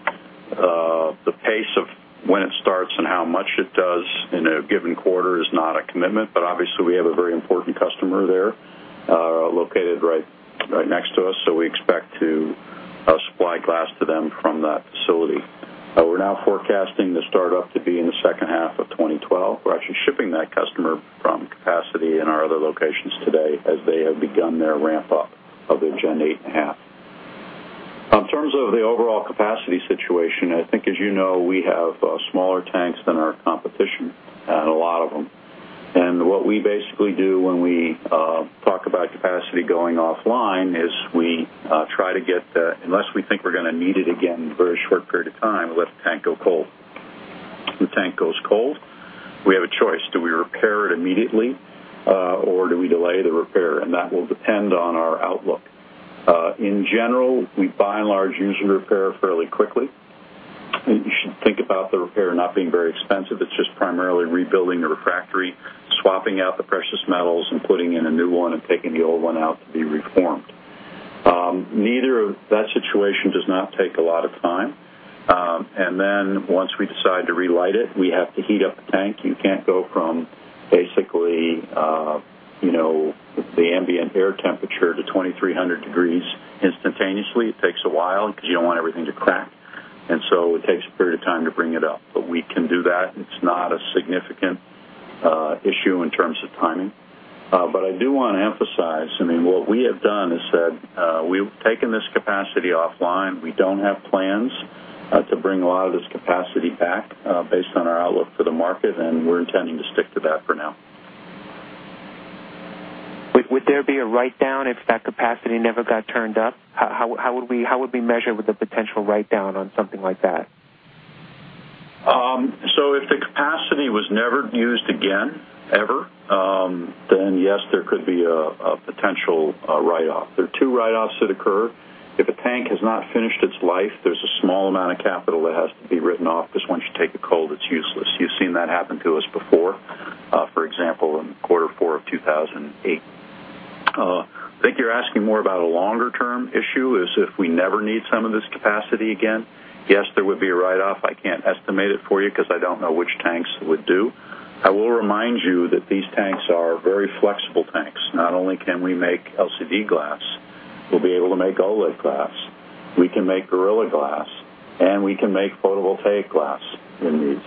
The pace of when it starts and how much it does in a given quarter is not a commitment, but obviously, we have a very important customer there located right next to us, so we expect to supply glass to them from that facility. We're now forecasting the startup to be in the second half of 2012. We're actually shipping that customer from capacity in our other locations today as they have begun their ramp-up of their Gen 8.5. In terms of the overall capacity situation, I think, as you know, we have smaller tanks than our competition, a lot of them. What we basically do when we talk about capacity going offline is we try to get, unless we think we're going to need it again in a very short period of time, we let the tank go cold. When the tank goes cold, we have a choice. Do we repair it immediately, or do we delay the repair? That will depend on our outlook. In general, we by and large usually repair it fairly quickly. You should think about the repair not being very expensive. It's just primarily rebuilding the refractory, swapping out the precious metals, and putting in a new one and taking the old one out to be reformed. Neither of that situation does not take a lot of time. Once we decide to relight it, we have to heat up the tank. You can't go from basically, you know, the ambient air temperature to 2,300 degrees instantaneously. It takes a while because you don't want everything to crack. It takes a period of time to bring it up. We can do that. It's not a significant issue in terms of timing. I do want to emphasize, what we have done is that we've taken this capacity offline. We don't have plans to bring a lot of this capacity back based on our outlook to the market, and we're intending to stick to that for now. Would there be a write-down if that capacity never got turned up? How would we measure the potential write-down on something like that? If the capacity was never used again, ever, then yes, there could be a potential write-off. There are two write-offs that occur. If a tank has not finished its life, there's a small amount of capital that has to be written off because once you take it cold, it's useless. You've seen that happen to us before, for example, in quarter four of 2008. I think you're asking more about a longer-term issue, if we never need some of this capacity again. Yes, there would be a write-off. I can't estimate it for you because I don't know which tanks would do. I will remind you that these tanks are very flexible tanks. Not only can we make LCD glass, we'll be able to make OLED glass. We can make Gorilla Glass, and we can make photovoltaic glass in these.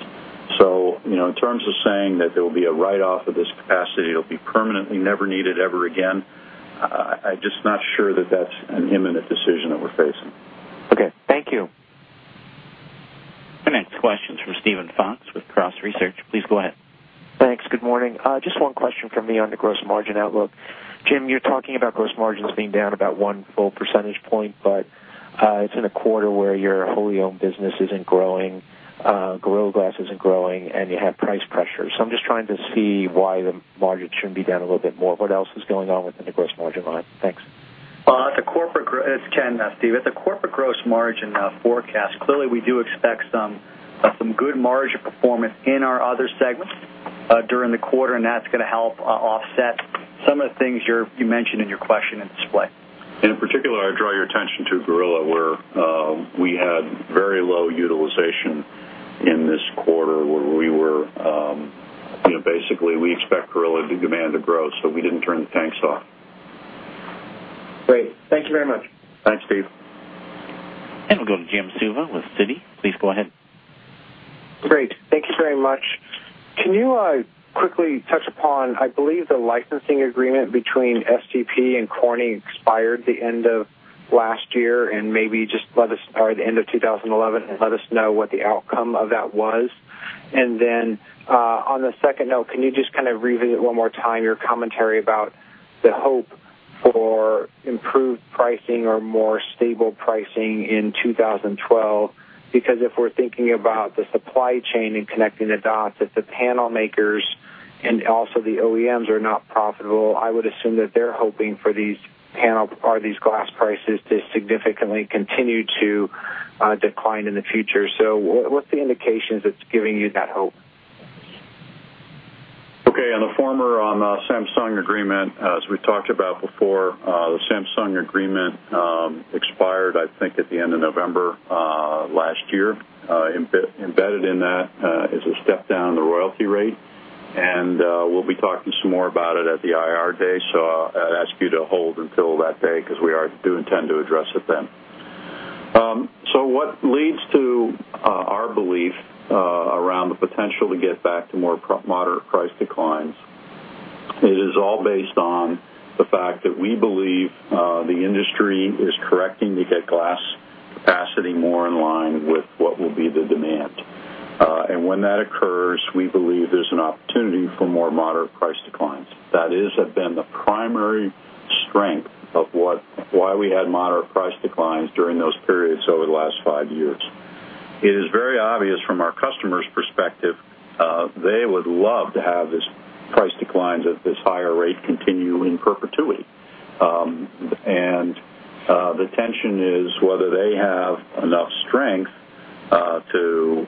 In terms of saying that there will be a write-off of this capacity, it'll be permanently never needed ever again, I'm just not sure that that's an imminent decision that we're facing. Okay, thank you. Financial questions from Steven Fox with Cross Research. Please go ahead. Thanks. Good morning. Just one question from me on the gross margin outlook. Jim, you're talking about gross margins being down about one full percentage point, but it's in a quarter where your wholly owned business isn't growing, Gorilla Glass isn't growing, and you have price pressures. I'm just trying to see why the margin shouldn't be down a little bit more. What else is going on within the gross margin line? Thanks. It's Ken, Steve. At the corporate gross margin forecast, clearly, we do expect some good margin performance in our other segments during the quarter, and that's going to help offset some of the things you mentioned in your question in Display. In particular, I'd draw your attention to Gorilla, where we had very low utilization in this quarter. We expect Gorilla demand to grow, so we didn't turn the tanks off. Great. Thank you very much. Thanks, Steve. We will go to Jim Suva with Citi. Please go ahead. Great. Thank you very much. Can you quickly touch upon, I believe, the licensing agreement between SEP and Corning expired at the end of last year, or the end of 2011, and let us know what the outcome of that was? On the second note, can you revisit one more time your commentary about the hope for improved pricing or more stable pricing in 2012? If we're thinking about the supply chain and connecting the dots, if the panel makers and also the OEMs are not profitable, I would assume that they're hoping for these panel or these glass prices to significantly continue to decline in the future. What's the indication that's giving you that hope? Okay. On the former Samsung agreement, as we talked about before, the Samsung agreement expired, I think, at the end of November last year. Embedded in that is a step down in the royalty rate. We will be talking some more about it at the IR day, so I'd ask you to hold until that day because we do intend to address it then. What leads to our belief around the potential to get back to more moderate price declines is all based on the fact that we believe the industry is correcting to get glass capacity more in line with what will be the demand. When that occurs, we believe there's an opportunity for more moderate price declines. That has been the primary strength of why we had moderate price declines during those periods over the last five years. It is very obvious from our customers' perspective, they would love to have these price declines at this higher rate continue in perpetuity. The tension is whether they have enough strength to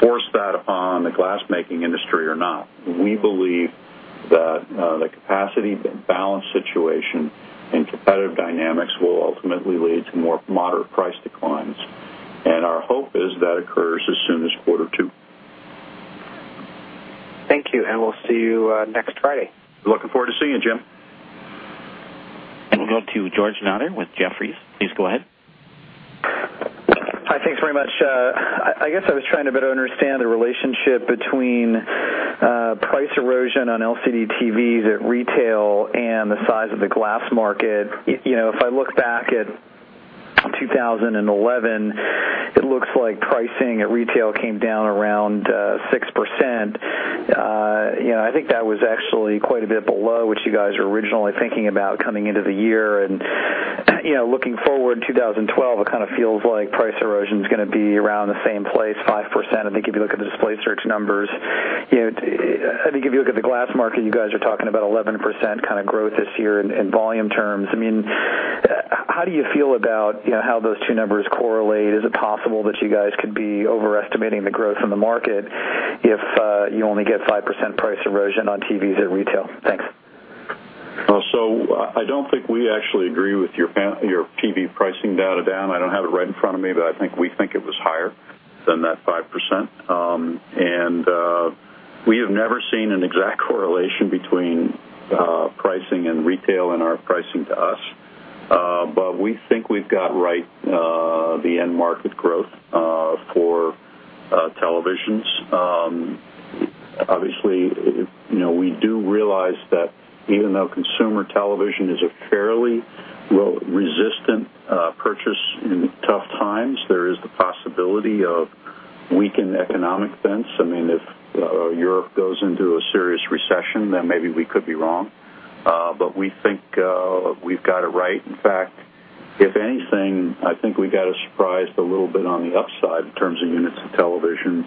force that upon the glass-making industry or not. We believe that the capacity balance situation and competitive dynamics will ultimately lead to more moderate price declines. Our hope is that occurs as soon as quarter two. Thank you. We'll see you next Friday. Looking forward to seeing you, Jim. We will go to George Notter with Jefferies. Please go ahead. Hi, thanks very much. I guess I was trying to better understand the relationship between price erosion on LCD TVs at retail and the size of the glass market. If I look back at 2011, it looks like pricing at retail came down around 6%. I think that was actually quite a bit below what you guys were originally thinking about coming into the year. Looking forward to 2012, it kind of feels like price erosion is going to be around the same place, 5%. I think if you look at the DisplaySearch numbers, I think if you look at the glass market, you guys are talking about 11% kind of growth this year in volume terms. How do you feel about how those two numbers correlate? Is it possible that you guys could be overestimating the growth in the market if you only get 5% price erosion on TVs at retail? Thanks. I don't think we actually agree with your TV pricing data down. I don't have it right in front of me, but I think we think it was higher than that 5%. We have never seen an exact correlation between pricing and retail in our pricing to us. We think we've got right the end market growth for televisions. Obviously, you know, we do realize that even though consumer television is a fairly resistant purchase in tough times, there is the possibility of weakened economic events. I mean, if Europe goes into a serious recession, then maybe we could be wrong. We think we've got it right. In fact, if anything, I think we got a surprise a little bit on the upside in terms of units of television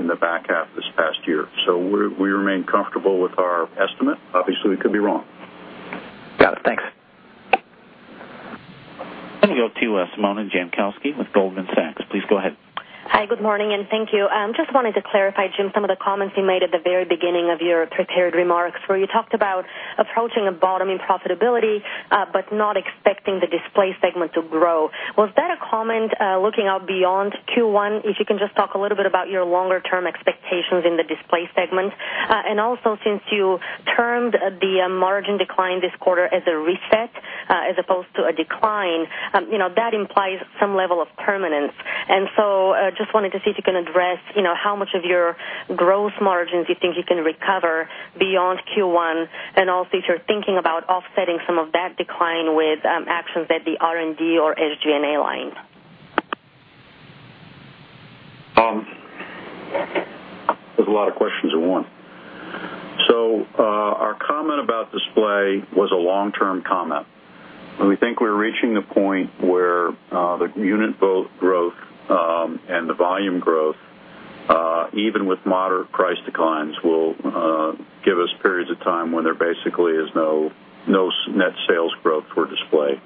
in the back half this past year. We remain comfortable with our estimate. Obviously, we could be wrong. Got it. Thanks. We go to Simona Jankowski with Goldman Sachs. Please go ahead. Hi, good morning, and thank you. I just wanted to clarify, Jim, some of the comments you made at the very beginning of your prepared remarks where you talked about approaching a bottom in profitability but not expecting the Display segment to grow. Was that a comment looking out beyond Q1? If you can just talk a little bit about your longer-term expectations in the Display segment. Also, since you termed the margin decline this quarter as a reset as opposed to a decline, that implies some level of permanence. I just wanted to see if you can address how much of your gross margins you think you can recover beyond Q1 and also if you're thinking about offsetting some of that decline with actions that the R&D or SG&A lined. There's a lot of questions in one. Our comment about Display was a long-term comment. When we think we're reaching the point where the unit growth and the volume growth, even with moderate price declines, will give us periods of time when there basically is no net sales growth for Display.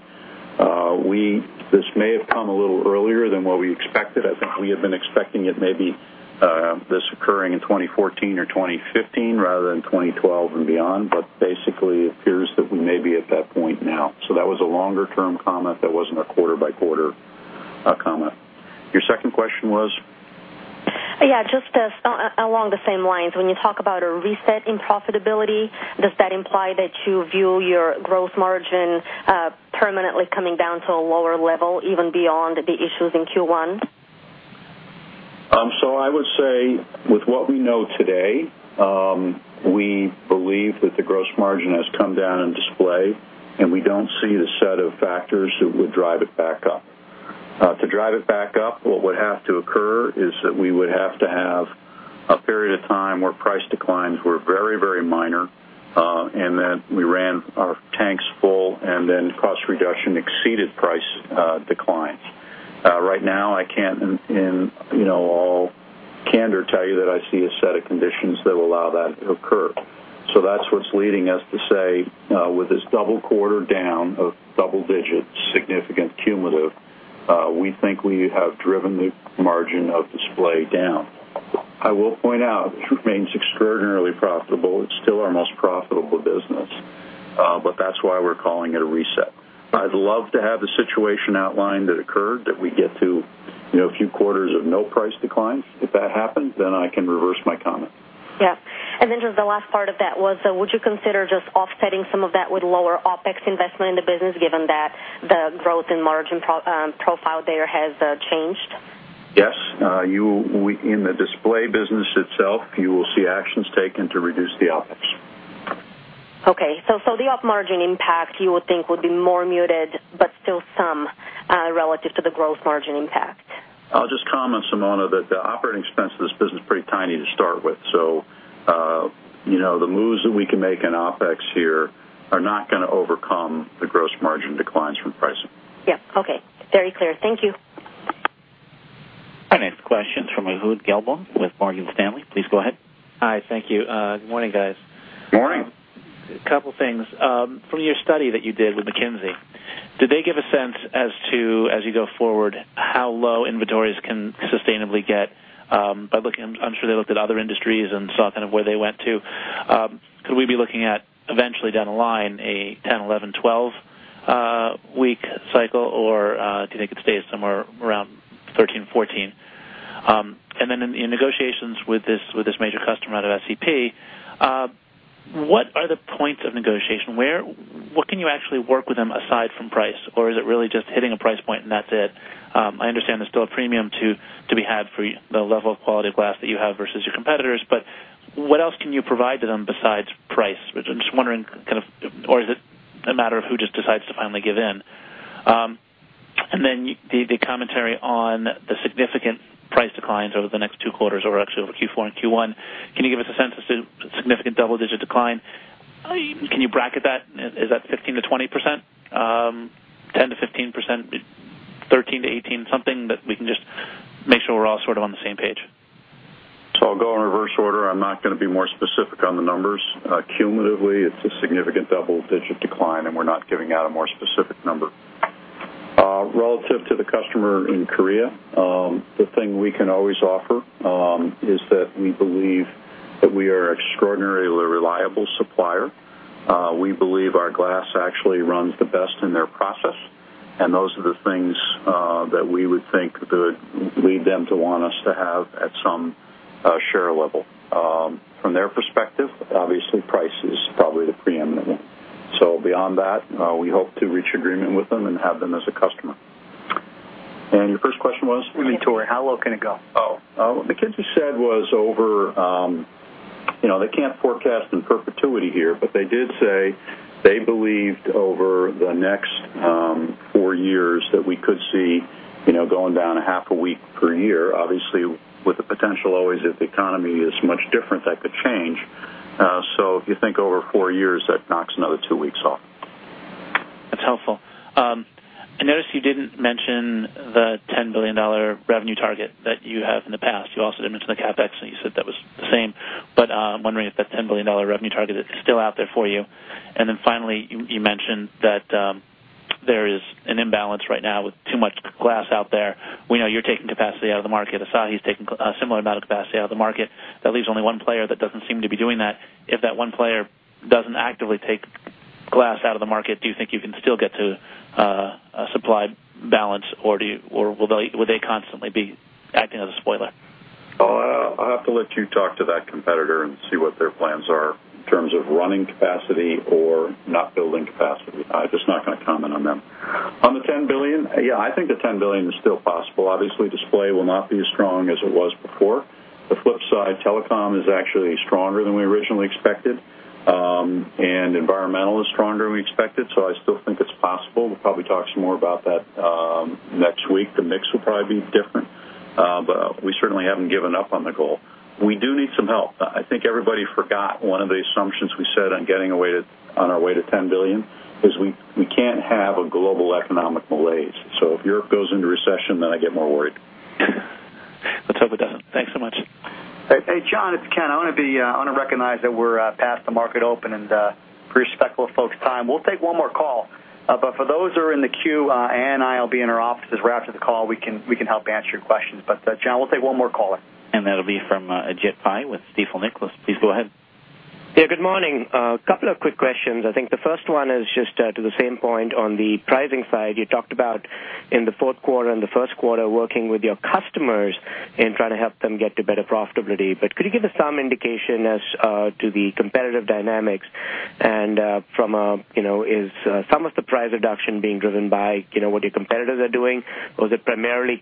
This may have come a little earlier than what we expected. I think we had been expecting it, maybe this occurring in 2014 or 2015 rather than 2012 and beyond. It appears that we may be at that point now. That was a longer-term comment that wasn't a quarter-by-quarter comment. Your second question was? Yeah, just along the same lines, when you talk about a reset in profitability, does that imply that you view your gross margin permanently coming down to a lower level even beyond the issues in Q1? I would say with what we know today, we believe that the gross margin has come down in Display, and we don't see the set of factors that would drive it back up. To drive it back up, what would have to occur is that we would have to have a period of time where price declines were very, very minor and that we ran our tanks full, and then cost reduction exceeded price declines. Right now, I can't in all candor tell you that I see a set of conditions that will allow that to occur. That's what's leading us to say with this double quarter down of double-digit significant cumulative, we think we have driven the margin of Display down. I will point out this remains extraordinarily profitable. It's still our most profitable business. That's why we're calling it a reset. I'd love to have the situation outlined that occurred that we get to, you know, a few quarters of no price declines. If that happened, then I can reverse my comment. Yeah, just the last part of that was, would you consider just offsetting some of that with lower OpEx investment in the business given that the growth in margin profile there has changed? Yes. In the Display business itself, you will see actions taken to reduce the OpEx. Okay, the op margin impact you would think would be more muted, but still some relative to the gross margin impact. I'll just comment, Simona, that the operating expense of this business is pretty tiny to start with. You know, the moves that we can make in OpEx here are not going to overcome the gross margin declines from price. Yeah. Okay. Very clear. Thank you. Financial questions from a Ehud Gelblum with Morgan Stanley. Please go ahead. Hi, thank you. Good morning, guys. Morning. A couple of things. From your study that you did with McKinsey, did they give a sense as to, as you go forward, how low inventories can sustainably get? I'm sure they looked at other industries and saw kind of where they went to. Could we be looking at eventually down the line a 10, 11, 12-week cycle, or do you think it stays somewhere around 13, 14? In negotiations with this major customer out of SCP, what are the points of negotiation? What can you actually work with them aside from price, or is it really just hitting a price point and that's it? I understand there's still a premium to be had for the level of quality of glass that you have versus your competitors, but what else can you provide to them besides price? I'm just wondering, or is it a matter of who just decides to finally give in? The commentary on the significant price declines over the next two quarters, or actually over Q4 and Q1, can you give us a sense as to a significant double-digit decline? Can you bracket that? Is that 15%-20%, 10%-15%, 13%-18%, something that we can just make sure we're all sort of on the same page? I'll go in reverse order. I'm not going to be more specific on the numbers. Cumulatively, it's a significant double-digit decline, and we're not giving out a more specific number. Relative to the customer in Korea, the thing we can always offer is that we believe that we are an extraordinarily reliable supplier. We believe our glass actually runs the best in their process, and those are the things that we would think that would lead them to want us to have at some share level. From their perspective, obviously, price is probably the preeminent one. Beyond that, we hope to reach agreement with them and have them as a customer. Your first question was? We need to worry. How low can it go? Oh, the kids you said was over, you know, they can't forecast in perpetuity here, but they did say they believed over the next four years that we could see, you know, going down a half a week per year, obviously, with the potential always if the economy is much different, that could change. If you think over four years, that knocks another two weeks off. That's helpful. I noticed you didn't mention the $10 billion revenue target that you have in the past. You also didn't mention the CapEx, and you said that was the same. I'm wondering if that $10 billion revenue target is still out there for you. Finally, you mentioned that there is an imbalance right now with too much glass out there. We know you're taking capacity out of the market. Asahi's taking a similar amount of capacity out of the market. That leaves only one player that doesn't seem to be doing that. If that one player doesn't actively take glass out of the market, do you think you can still get to a supply balance, or will they constantly be acting as a spoiler? I'll have to let you talk to that competitor and see what their plans are in terms of running capacity or not building capacity. I'm just not going to comment on them. On the $10 billion, yeah, I think the $10 billion is still possible. Obviously, Display will not be as strong as it was before. The flip side, telecom is actually stronger than we originally expected, and environmental is stronger than we expected. I still think it's possible. We'll probably talk some more about that next week. The mix will probably be different. We certainly haven't given up on the goal. We do need some help. I think everybody forgot one of the assumptions we said on getting on our way to $10 billion is we can't have a global economic malaise. If Europe goes into recession, then I get more worried. Let's hope it doesn't. Thanks so much. Hey, John, it's Ken. I want to recognize that we're past the market open and respectful of folks' time. We'll take one more call. For those who are in the queue, Ann and I will be in our offices right after the call. We can help answer your questions. John, we'll take one more caller. That'll be from Ajit Pai with Stifel, Nicolaus. Please go ahead. Yeah, good morning. A couple of quick questions. I think the first one is just to the same point on the pricing side. You talked about in the fourth quarter and the first quarter working with your customers and trying to help them get to better profitability. Could you give us some indication as to the competitive dynamics? From a, you know, is some of the price reduction being driven by what your competitors are doing, or is it primarily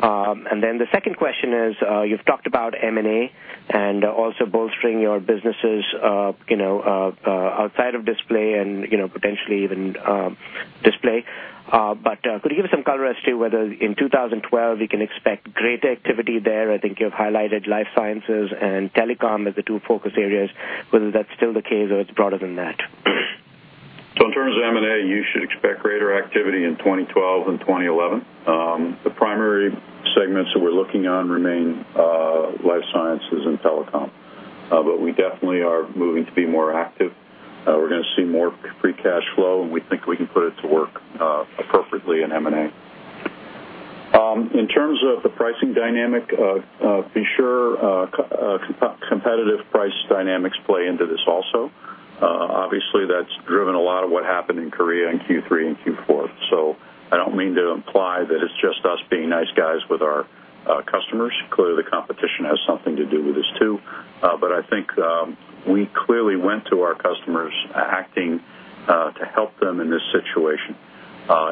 customer-driven? The second question is, you've talked about M&A and also bolstering your businesses outside of Display and potentially even Display. Could you give us some color as to whether in 2012 we can expect great activity there? I think you've highlighted life sciences and telecom as the two areas whether that's still the case or it's broader than that. In terms of M&A, you should expect greater activity in 2012 and 2011. The primary segments that we're looking on remain life sciences and telecom. We definitely are moving to be more active. We're going to see more free cash flow, and we think we can put it to work appropriately in M&A. In terms of the pricing dynamic, for sure, competitive price dynamics play into this also. Obviously, that's driven a lot of what happened in Korea in Q3 and Q4. I don't mean to imply that it's just us being nice guys with our customers. Clearly, the competition has something to do with this too. I think we clearly went to our customers acting to help them in this situation.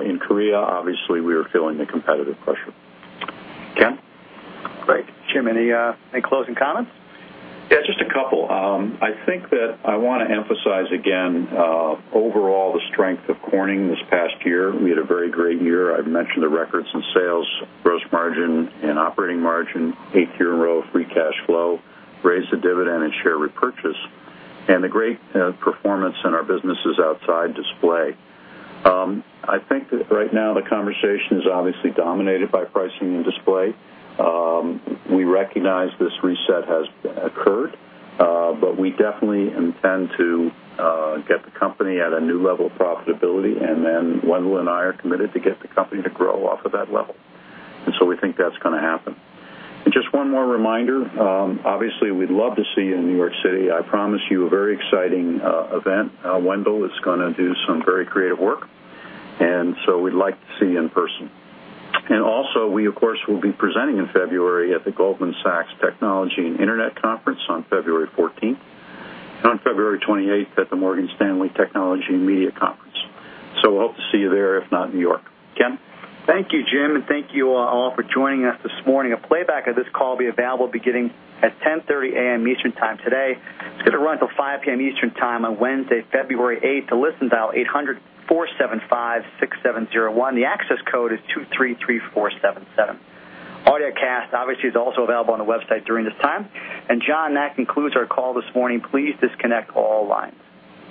In Korea, obviously, we were feeling the competitive pressure. Okay. Great. Jim, any closing comments? Yeah, just a couple. I think that I want to emphasize again, overall, the strength of Corning this past year. We had a very great year. I've mentioned the records in sales, gross margin, and operating margin, eighth year in a row of free cash flow, raised the dividend and share repurchase, and the great performance in our businesses outside Display. I think that right now the conversation is obviously dominated by pricing and Display. We recognize this reset has occurred, but we definitely intend to get the company at a new level of profitability, and then Wendell and I are committed to get the company to grow off of that level. We think that's going to happen. Just one more reminder, obviously, we'd love to see you in New York City. I promise you a very exciting event. Wendell is going to do some very creative work. We'd like to see you in person. We, of course, will be presenting in February at the Goldman Sachs Technology and Internet Conference on February 14th and on February 28th at the Morgan Stanley Technology and Media Conference. We hope to see you there, if not in New York. Ken? Thank you, Jim, and thank you all for joining us this morning. A playback of this call will be available beginning at 10:30 A.M. Eastern Time today. It's going to run until 5:00 P.M. Eastern Time on Wednesday, February 8. To listen, dial 800-475-6701. The access code is 233477. Audio cast is also available on the website during this time. John, that concludes our call this morning. Please disconnect all lines.